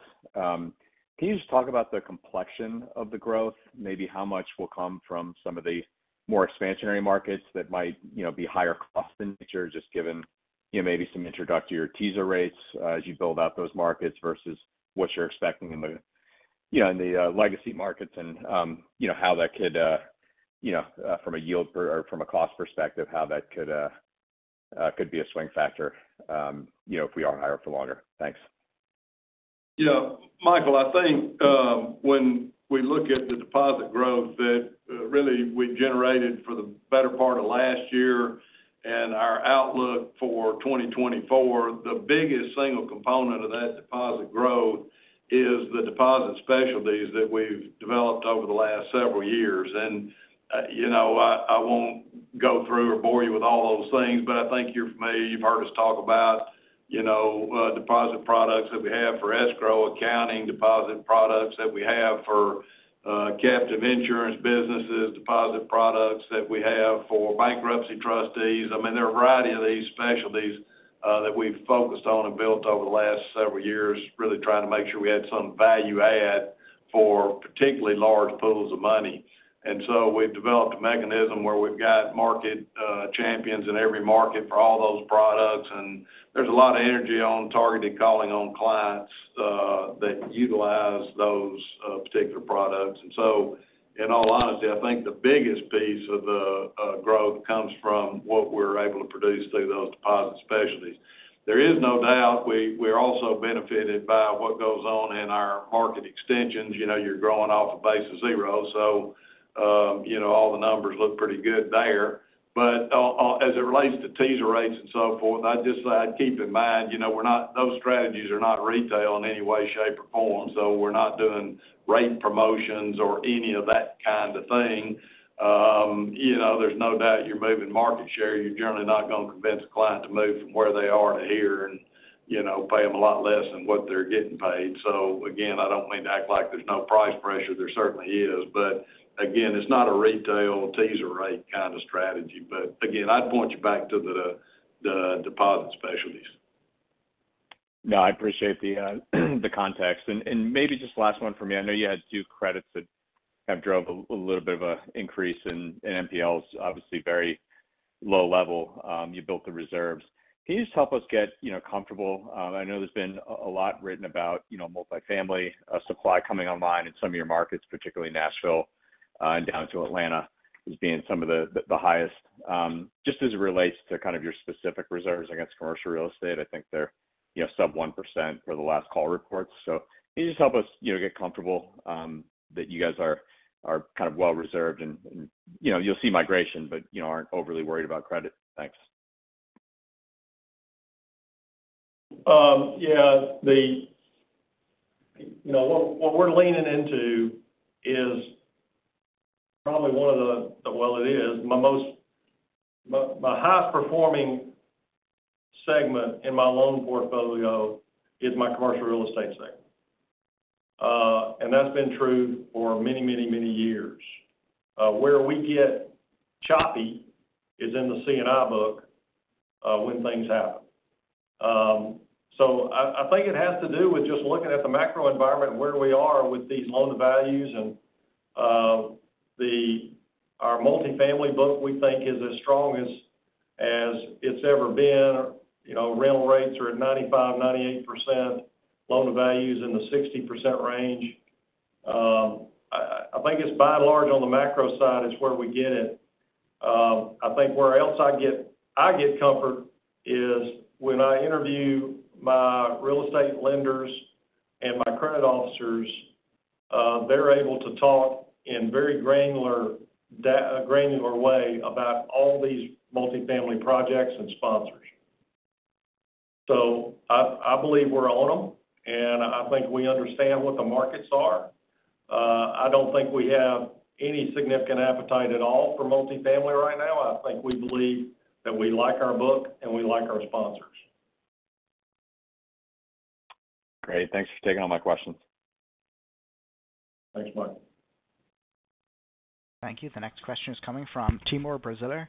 Can you just talk about the complexion of the growth? Maybe how much will come from some of the more expansionary markets that might, you know, be higher cost in nature, just given, you know, maybe some introductory teaser rates as you build out those markets versus what you're expecting in the, you know, legacy markets, and, you know, how that could, you know, from a yield or from a cost perspective, how that could be a swing factor, you know, if we are higher for longer. Thanks. Yeah, Michael, I think, when we look at the deposit growth that really we generated for the better part of last year and our outlook for 2024, the biggest single component of that deposit growth is the deposit specialties that we've developed over the last several years. And, you know, I, I won't go through or bore you with all those things, but I think you're familiar, you've heard us talk about, you know, deposit products that we have for escrow, accounting, deposit products that we have for, captive insurance businesses, deposit products that we have for bankruptcy trustees. I mean, there are a variety of these specialties, that we've focused on and built over the last several years, really trying to make sure we had some value add for particularly large pools of money. And so we've developed a mechanism where we've got market champions in every market for all those products, and there's a lot of energy on targeted calling on clients that utilize those particular products. And so, in all honesty, I think the biggest piece of the growth comes from what we're able to produce through those deposit specialties. There is no doubt we're also benefited by what goes on in our market extensions. You know, you're growing off a base of zero, so you know, all the numbers look pretty good there. But as it relates to teaser rates and so forth, I'd just keep in mind, you know, we're not. Those strategies are not retail in any way, shape, or form, so we're not doing rate promotions or any of that kind of thing. You know, there's no doubt you're moving market share. You're generally not going to convince a client to move from where they are to here and, you know, pay them a lot less than what they're getting paid. So again, I don't mean to act like there's no price pressure. There certainly is. But again, it's not a retail teaser rate kind of strategy. But again, I'd point you back to the deposit specialties. No, I appreciate the context. Maybe just last one for me. I know you had two credits that have drove a little bit of an increase in NPLs, obviously very low level. You built the reserves. Can you just help us get, you know, comfortable? I know there's been a lot written about, you know, multifamily supply coming online in some of your markets, particularly Nashville and down to Atlanta, as being some of the highest. Just as it relates to kind of your specific reserves against commercial real estate, I think they're, you know, sub 1% for the last call reports. Can you just help us, you know, get comfortable that you guys are kind of well reserved and, you know, you'll see migration, but, you know, aren't overly worried about credit? Thanks. Yeah, you know, what we're leaning into is- ... probably one of the, well, it is, my most, my, my highest performing segment in my loan portfolio is my Commercial Real Estate segment. And that's been true for many, many, many years. Where we get choppy is in the C&I book, when things happen. So I think it has to do with just looking at the macro environment, where we are with these loan values, and the—our multifamily book, we think, is as strong as it's ever been. You know, rental rates are at 95%-98%, loan-to-value is in the 60% range. I think it's by and large on the macro side is where we get it. I think where else I get, I get comfort is when I interview my real estate lenders and my credit officers. They're able to talk in very granular way about all these multifamily projects and sponsors. So I, I believe we're on them, and I think we understand what the markets are. I don't think we have any significant appetite at all for multifamily right now. I think we believe that we like our book and we like our sponsors. Great. Thanks for taking all my questions. Thanks, Mark. Thank you. The next question is coming from Timur Braziller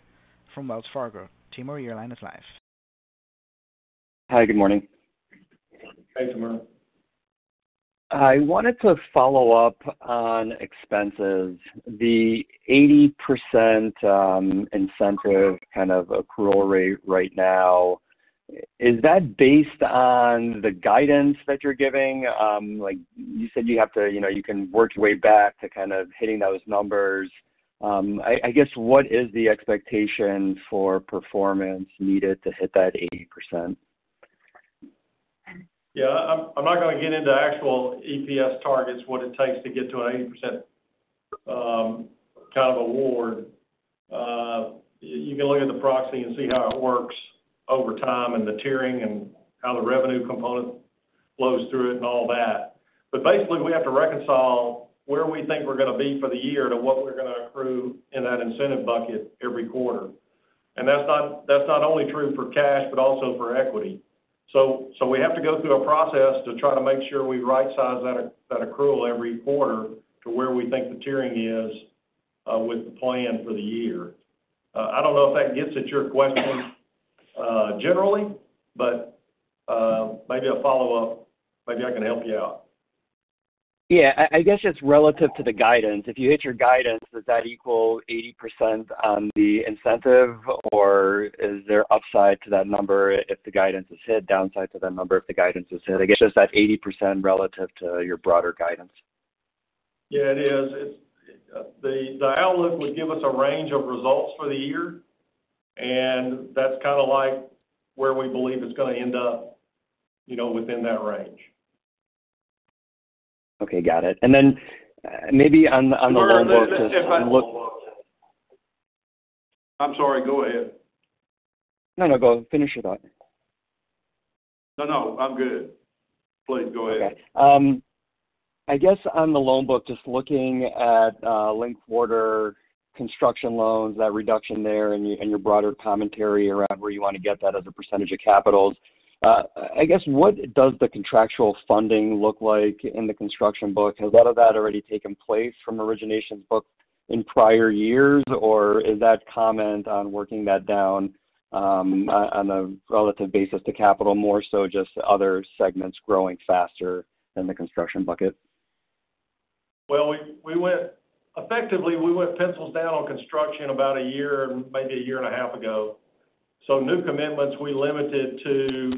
from Wells Fargo. Timur, your line is live. Hi, good morning. Hi, Timur. I wanted to follow up on expenses. The 80%, incentive kind of accrual rate right now, is that based on the guidance that you're giving? Like, you said, you have to, you know, you can work your way back to kind of hitting those numbers. I guess, what is the expectation for performance needed to hit that 80%? Yeah, I'm not going to get into actual EPS targets, what it takes to get to an 80% kind of award. You can look at the proxy and see how it works over time and the tiering, and how the revenue component flows through it and all that. But basically, we have to reconcile where we think we're going to be for the year to what we're going to accrue in that incentive bucket every quarter. And that's not only true for cash, but also for equity. So we have to go through a process to try to make sure we right-size that accrual every quarter to where we think the tiering is with the plan for the year. I don't know if that gets at your question generally, but maybe a follow-up. Maybe I can help you out. Yeah. I guess it's relative to the guidance. If you hit your guidance, does that equal 80% on the incentive, or is there upside to that number if the guidance is hit, downside to that number if the guidance is hit? I guess, just that 80% relative to your broader guidance. Yeah, it is. It's the outlook would give us a range of results for the year, and that's kind of like where we believe it's going to end up, you know, within that range. Okay, got it. And then maybe on the, on the loan book- I'm sorry. Go ahead. No, no. Go finish your thought. No, no, I'm good. Please go ahead. Okay. I guess on the loan book, just looking at linked quarter construction loans, that reduction there and your, and your broader commentary around where you want to get that as a percentage of capitals. I guess, what does the contractual funding look like in the construction book? Has a lot of that already taken place from origination book in prior years, or is that comment on working that down, on a relative basis to capital, more so just other segments growing faster than the construction bucket? Well, effectively, we went pencils down on construction about a year, maybe a year and a half ago. So new commitments, we limited to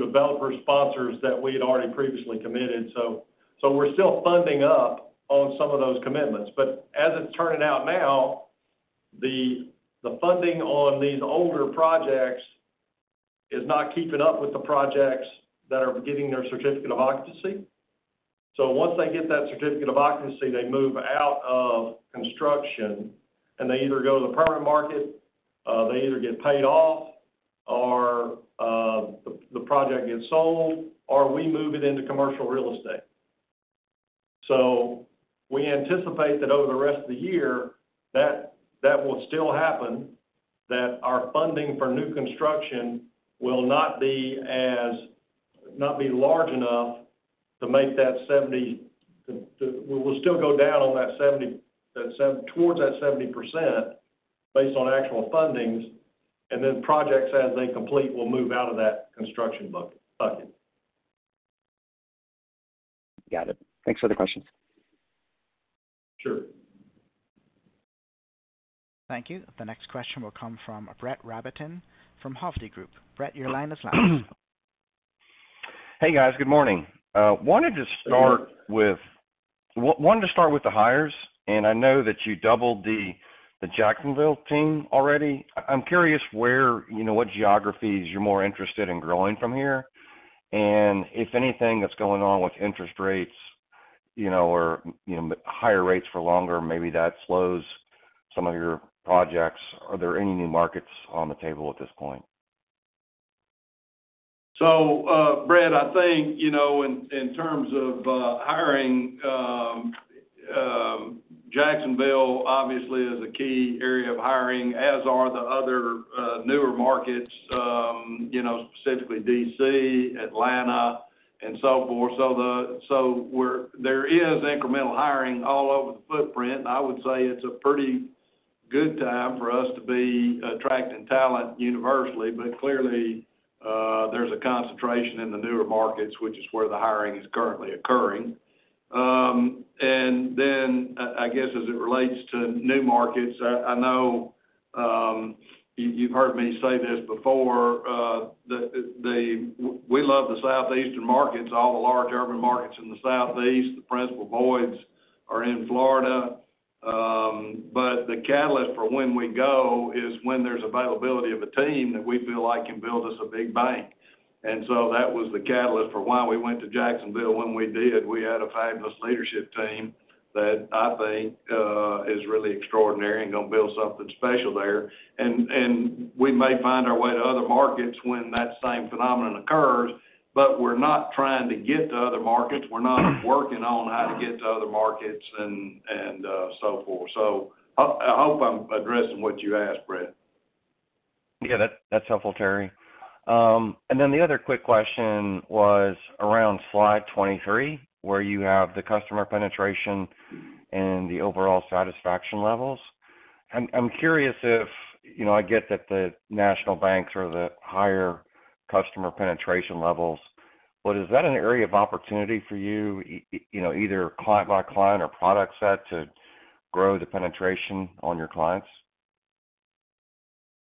developer sponsors that we had already previously committed. So we're still funding up on some of those commitments. But as it's turning out now, the funding on these older projects is not keeping up with the projects that are getting their certificate of occupancy. So once they get that certificate of occupancy, they move out of construction, and they either go to the private market, get paid off, or the project gets sold, or we move it into commercial real estate. So we anticipate that over the rest of the year, that will still happen, that our funding for new construction will not be large enough to make that 70%. We'll still go down on that 70 towards that 70% based on actual fundings, and then projects, as they complete, will move out of that construction bucket. Got it. Thanks for the questions. Sure. Thank you. The next question will come from Brett Rabatin from Hovde Group. Brett, your line is loud. Hey, guys. Good morning. Wanted to start with the hires, and I know that you doubled the Jacksonville team already. I'm curious where, you know, what geographies you're more interested in growing from here. And if anything that's going on with interest rates, you know, or, you know, higher rates for longer, maybe that slows some of your projects, are there any new markets on the table at this point? ... So, Brett, I think, you know, in, in terms of, hiring, Jacksonville, obviously, is a key area of hiring, as are the other, newer markets, you know, specifically D.C., Atlanta, and so forth. So there is incremental hiring all over the footprint. I would say it's a pretty good time for us to be attracting talent universally, but clearly, there's a concentration in the newer markets, which is where the hiring is currently occurring. And then, I guess, as it relates to new markets, I know, you've heard me say this before, we love the Southeastern markets, all the large urban markets in the Southeast. The principal voids are in Florida. But the catalyst for when we go is when there's availability of a team that we feel like can build us a big bank. And so that was the catalyst for why we went to Jacksonville when we did. We had a fabulous leadership team that I think is really extraordinary and gonna build something special there. And we may find our way to other markets when that same phenomenon occurs, but we're not trying to get to other markets. We're not working on how to get to other markets and so forth. So I hope I'm addressing what you asked, Brett. Yeah, that's helpful, Terry. And then the other quick question was around slide 23, where you have the customer penetration and the overall satisfaction levels. I'm curious if... You know, I get that the national banks are the higher customer penetration levels, but is that an area of opportunity for you, you know, either client by client or product set, to grow the penetration on your clients?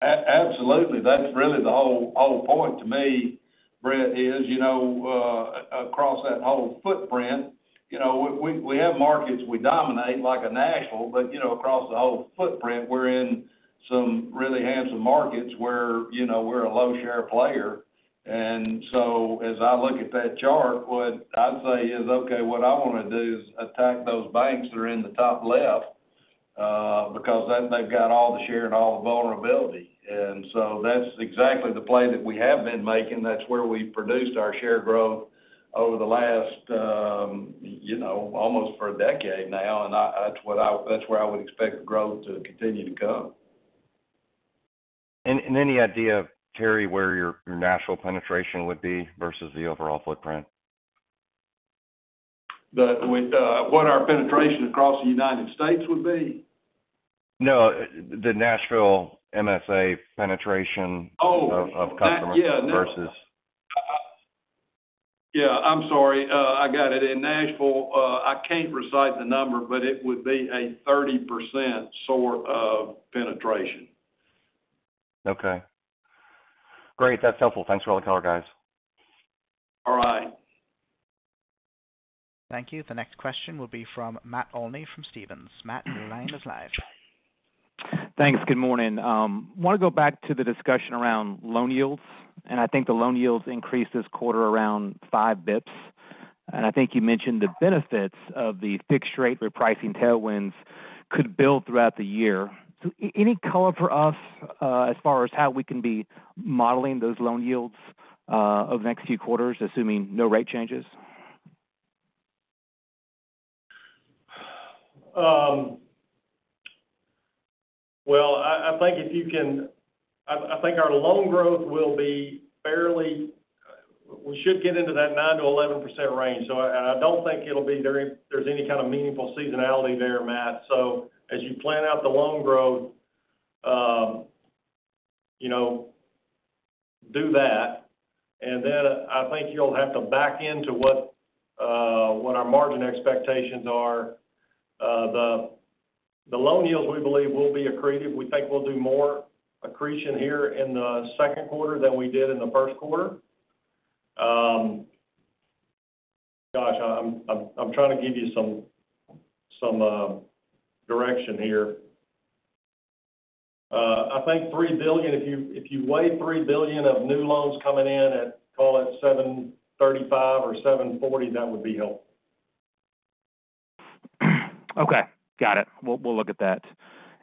Absolutely. That's really the whole, whole point to me, Brett, is, you know, across that whole footprint, you know, we have markets we dominate, like a Nashville, but, you know, across the whole footprint, we're in some really handsome markets where, you know, we're a low-share player. And so as I look at that chart, what I'd say is, okay, what I want to do is attack those banks that are in the top left, because then they've got all the share and all the vulnerability. And so that's exactly the play that we have been making. That's where we've produced our share growth over the last, you know, almost for a decade now, and that's what I-- that's where I would expect the growth to continue to come. Any idea, Terry, where your national penetration would be versus the overall footprint? The with what our penetration across the United States would be? No, the Nashville MSA penetration- Oh. of customers versus. Yeah, I'm sorry. I got it. In Nashville, I can't recite the number, but it would be a 30% sort of penetration. Okay. Great. That's helpful. Thanks for all the color, guys. All right. Thank you. The next question will be from Matt Olney, from Stephens. Matt, your line is live. Thanks. Good morning. Want to go back to the discussion around loan yields, and I think the loan yields increased this quarter around 5 basis points. I think you mentioned the benefits of the fixed rate repricing tailwinds could build throughout the year. Any color for us, as far as how we can be modeling those loan yields, over the next few quarters, assuming no rate changes? Well, I think our loan growth will be fairly. We should get into that 9%-11% range, so and I don't think there's any kind of meaningful seasonality there, Matt. So as you plan out the loan growth, you know, do that. And then I think you'll have to back into what our margin expectations are. The loan yields, we believe, will be accretive. We think we'll do more accretion here in the second quarter than we did in the first quarter. Gosh, I'm trying to give you some direction here. I think $3 billion, if you weigh $3 billion of new loans coming in at, call it 7.35% or 7.40%, that would be helpful. Okay, got it. We'll, we'll look at that.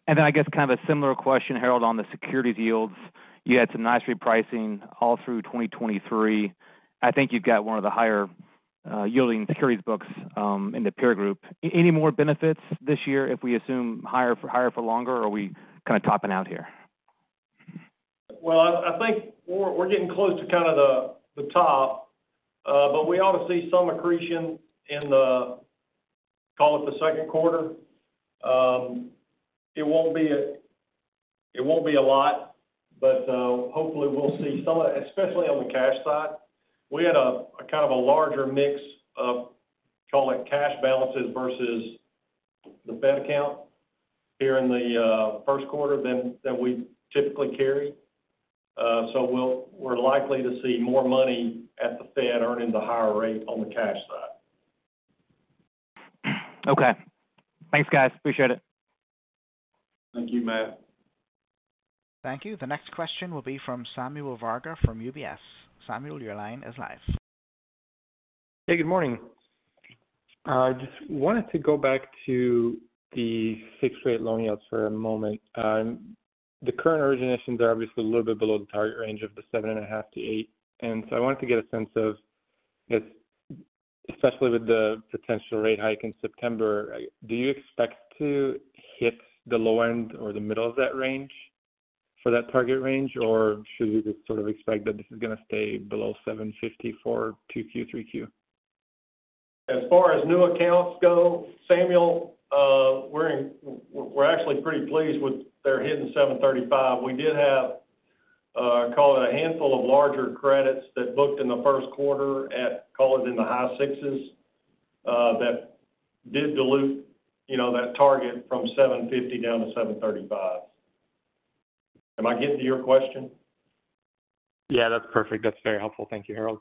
And then I guess kind of a similar question, Harold, on the securities yields. You had some nice repricing all through 2023. I think you've got one of the higher yielding securities books in the peer group. Any more benefits this year if we assume higher for-- higher for longer, or are we kind of topping out here? Well, I think we're getting close to kind of the top, but we ought to see some accretion in the, call it, the second quarter. It won't be a lot, but hopefully, we'll see some of that, especially on the cash side. We had a kind of a larger mix of, call it, cash balances versus the Fed account here in the first quarter than we typically carry. So we're likely to see more money at the Fed earning the higher rate on the cash side. Okay. Thanks, guys. Appreciate it. Thank you, Matt. Thank you. The next question will be from Samuel Varga, from UBS. Samuel, your line is live. Hey, good morning. I just wanted to go back to the fixed rate loan yields for a moment. The current originations are obviously a little bit below the target range of 7.5-8. And so I wanted to get a sense of if, especially with the potential rate hike in September, do you expect to hit the low end or the middle of that range for that target range? Or should we just sort of expect that this is going to stay below 7.50 for 2Q 3Q? As far as new accounts go, Samuel, we're actually pretty pleased with their hitting 735. We did have, call it a handful of larger credits that booked in the first quarter at, call it in the high 600s, that did dilute, you know, that target from 750 down to 735. Am I getting to your question? Yeah, that's perfect. That's very helpful. Thank you, Harold.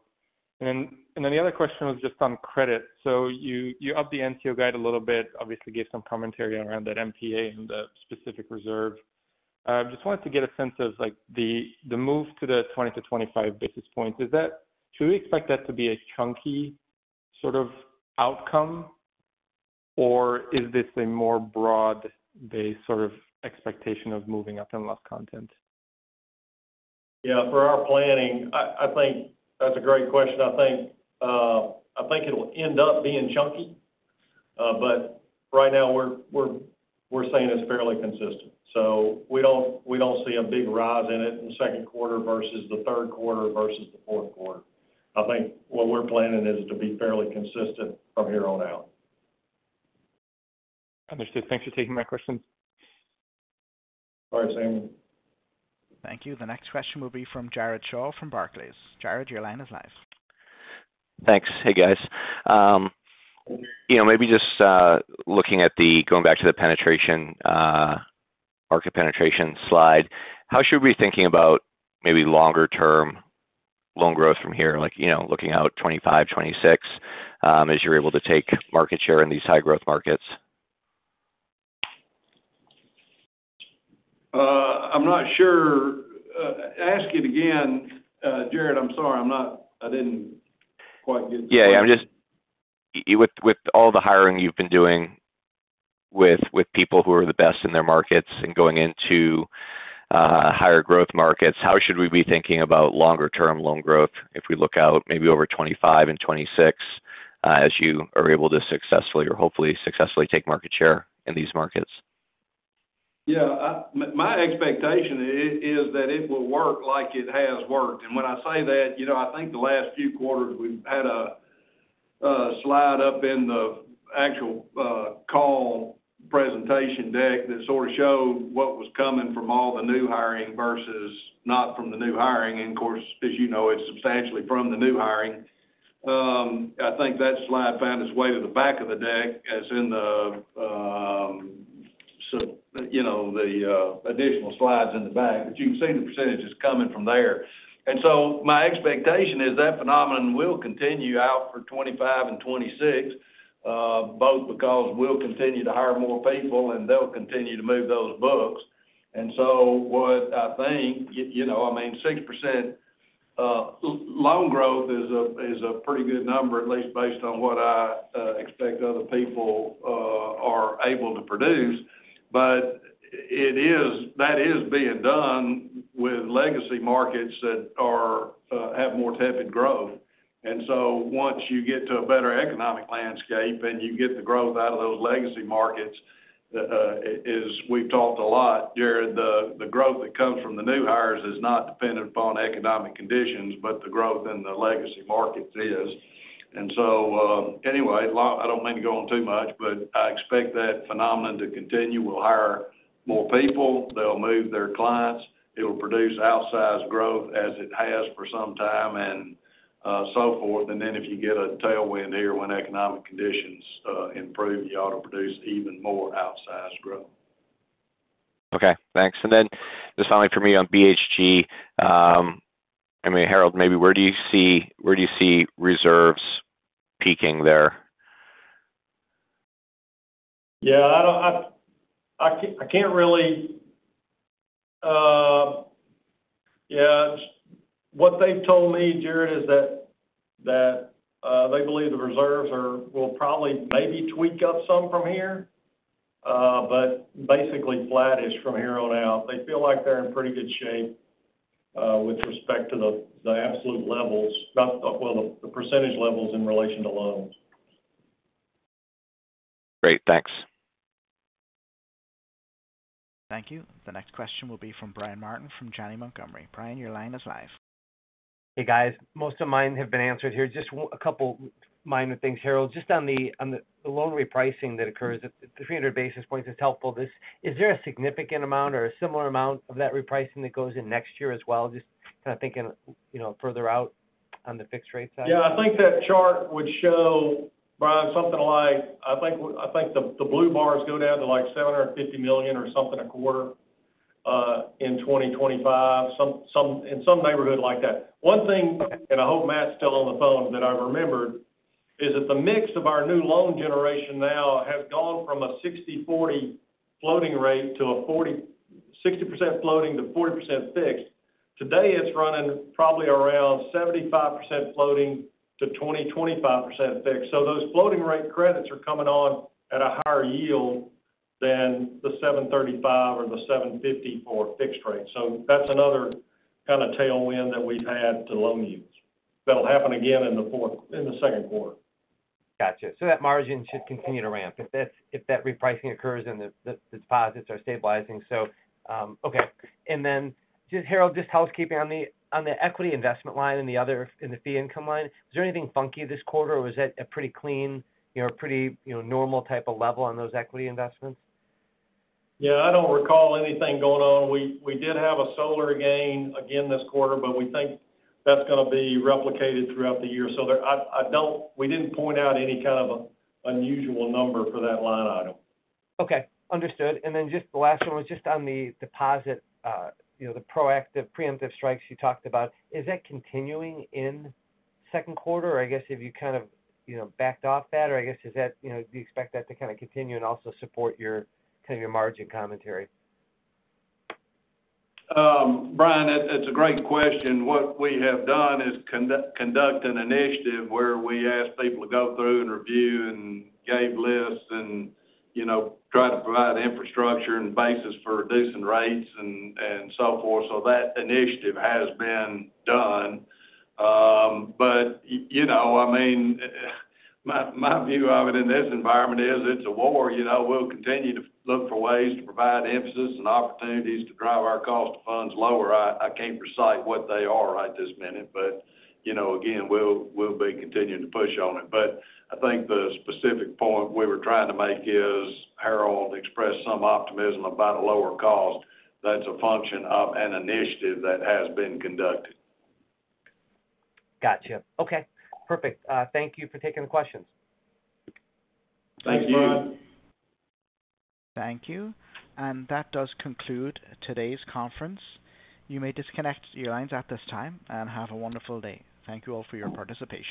And then the other question was just on credit. So you upped the NCO guide a little bit, obviously gave some commentary around that NPA and the specific reserve. I just wanted to get a sense of, like, the move to the 20-25 basis points. Is that... Should we expect that to be a chunky sort of outcome, or is this a more broad-based sort of expectation of moving up and loss content? Yeah, for our planning, I think that's a great question. I think it'll end up being chunky. But right now, we're saying it's fairly consistent. So we don't see a big rise in it in the second quarter versus the third quarter versus the fourth quarter. I think what we're planning is to be fairly consistent from here on out. Understood. Thanks for taking my question. All right, Samuel. Thank you. The next question will be from Jared Shaw from Barclays. Jared, your line is live. Thanks. Hey, guys. You know, maybe just looking at the going back to the penetration, market penetration slide, how should we be thinking about maybe longer-term loan growth from here, like, you know, looking out 2025, 2026, as you're able to take market share in these high growth markets? I'm not sure. Ask it again, Jared, I'm sorry, I'm not... I didn't quite get the- Yeah, yeah, I'm just, with, with all the hiring you've been doing with, with people who are the best in their markets and going into higher growth markets, how should we be thinking about longer-term loan growth if we look out maybe over 2025 and 2026, as you are able to successfully or hopefully successfully take market share in these markets? Yeah, my expectation is that it will work like it has worked. And when I say that, you know, I think the last few quarters, we've had a slide up in the actual call presentation deck that sort of showed what was coming from all the new hiring versus not from the new hiring. And of course, as you know, it's substantially from the new hiring. I think that slide found its way to the back of the deck, as in the so, you know, the additional slides in the back, but you can see the percentages coming from there. And so my expectation is that phenomenon will continue out for 2025 and 2026, both because we'll continue to hire more people, and they'll continue to move those books. And so what I think, you know, I mean, 6% loan growth is a pretty good number, at least based on what I expect other people are able to produce. But it is-- that is being done with legacy markets that have more tepid growth. And so once you get to a better economic landscape, and you get the growth out of those legacy markets, as we've talked a lot, Jared, the growth that comes from the new hires is not dependent upon economic conditions, but the growth in the legacy markets is. And so, anyway, I don't mean to go on too much, but I expect that phenomenon to continue. We'll hire more people. They'll move their clients. It'll produce outsized growth as it has for some time and, so forth. And then if you get a tailwind here, when economic conditions improve, you ought to produce even more outsized growth. Okay, thanks. And then just finally for me on BHG, I mean, Harold, maybe where do you see, where do you see reserves peaking there? Yeah, I can't really. Yeah, what they've told me, Jared, is that they believe the reserves are, will probably maybe tweak up some from here, but basically flattish from here on out. They feel like they're in pretty good shape with respect to the absolute levels, well, the percentage levels in relation to loans. Great. Thanks. Thank you. The next question will be from Brian Martin, from Janney Montgomery. Brian, your line is live. Hey, guys. Most of mine have been answered here. Just one, a couple minor things, Harold. Just on the, on the loan repricing that occurs, the 300 basis points is helpful. This, is there a significant amount or a similar amount of that repricing that goes in next year as well? Just kind of thinking, you know, further out on the fixed rate side. Yeah, I think that chart would show, Brian, something like, I think the blue bars go down to, like, $750 million or something a quarter in 2025, some in some neighborhood like that. One thing, and I hope Matt's still on the phone, that I remembered is that the mix of our new loan generation now has gone from a 60/40 floating rate to a forty-... 60% floating to 40% fixed. Today, it's running probably around 75% floating to 20%-25% fixed. So those floating rate credits are coming on at a higher yield than the 7.35% or the 7.50% for fixed rate. So that's another kind of tailwind that we've had to loan use. That'll happen again in the second quarter. Gotcha. So that margin should continue to ramp if that repricing occurs, and the deposits are stabilizing. So, okay. And then just, Harold, just housekeeping on the equity investment line and the other, in the fee income line. Was there anything funky this quarter, or was it a pretty clean, you know, a pretty, you know, normal type of level on those equity investments? Yeah, I don't recall anything going on. We did have a solar gain again this quarter, but we think that's going to be replicated throughout the year. So there—I don't... We didn't point out any kind of a unusual number for that line item. Okay, understood. And then just the last one was just on the deposit, you know, the proactive, preemptive strikes you talked about. Is that continuing in second quarter? Or I guess, have you kind of, you know, backed off that? Or I guess, is that, you know, do you expect that to kind of continue and also support your, kind of your margin commentary? Brian, that's a great question. What we have done is conduct an initiative where we ask people to go through and review and gave lists and, you know, try to provide infrastructure and basis for reducing rates and, and so forth. So that initiative has been done. But, you know, I mean, my view of it in this environment is it's a war, you know. We'll continue to look for ways to provide emphasis and opportunities to drive our cost of funds lower. I can't recite what they are right this minute, but, you know, again, we'll be continuing to push on it. But I think the specific point we were trying to make is, Harold expressed some optimism about a lower cost. That's a function of an initiative that has been conducted. Gotcha. Okay, perfect. Thank you for taking the questions. Thank you, Brian. Thank you. Thank you. That does conclude today's conference. You may disconnect your lines at this time, and have a wonderful day. Thank you all for your participation.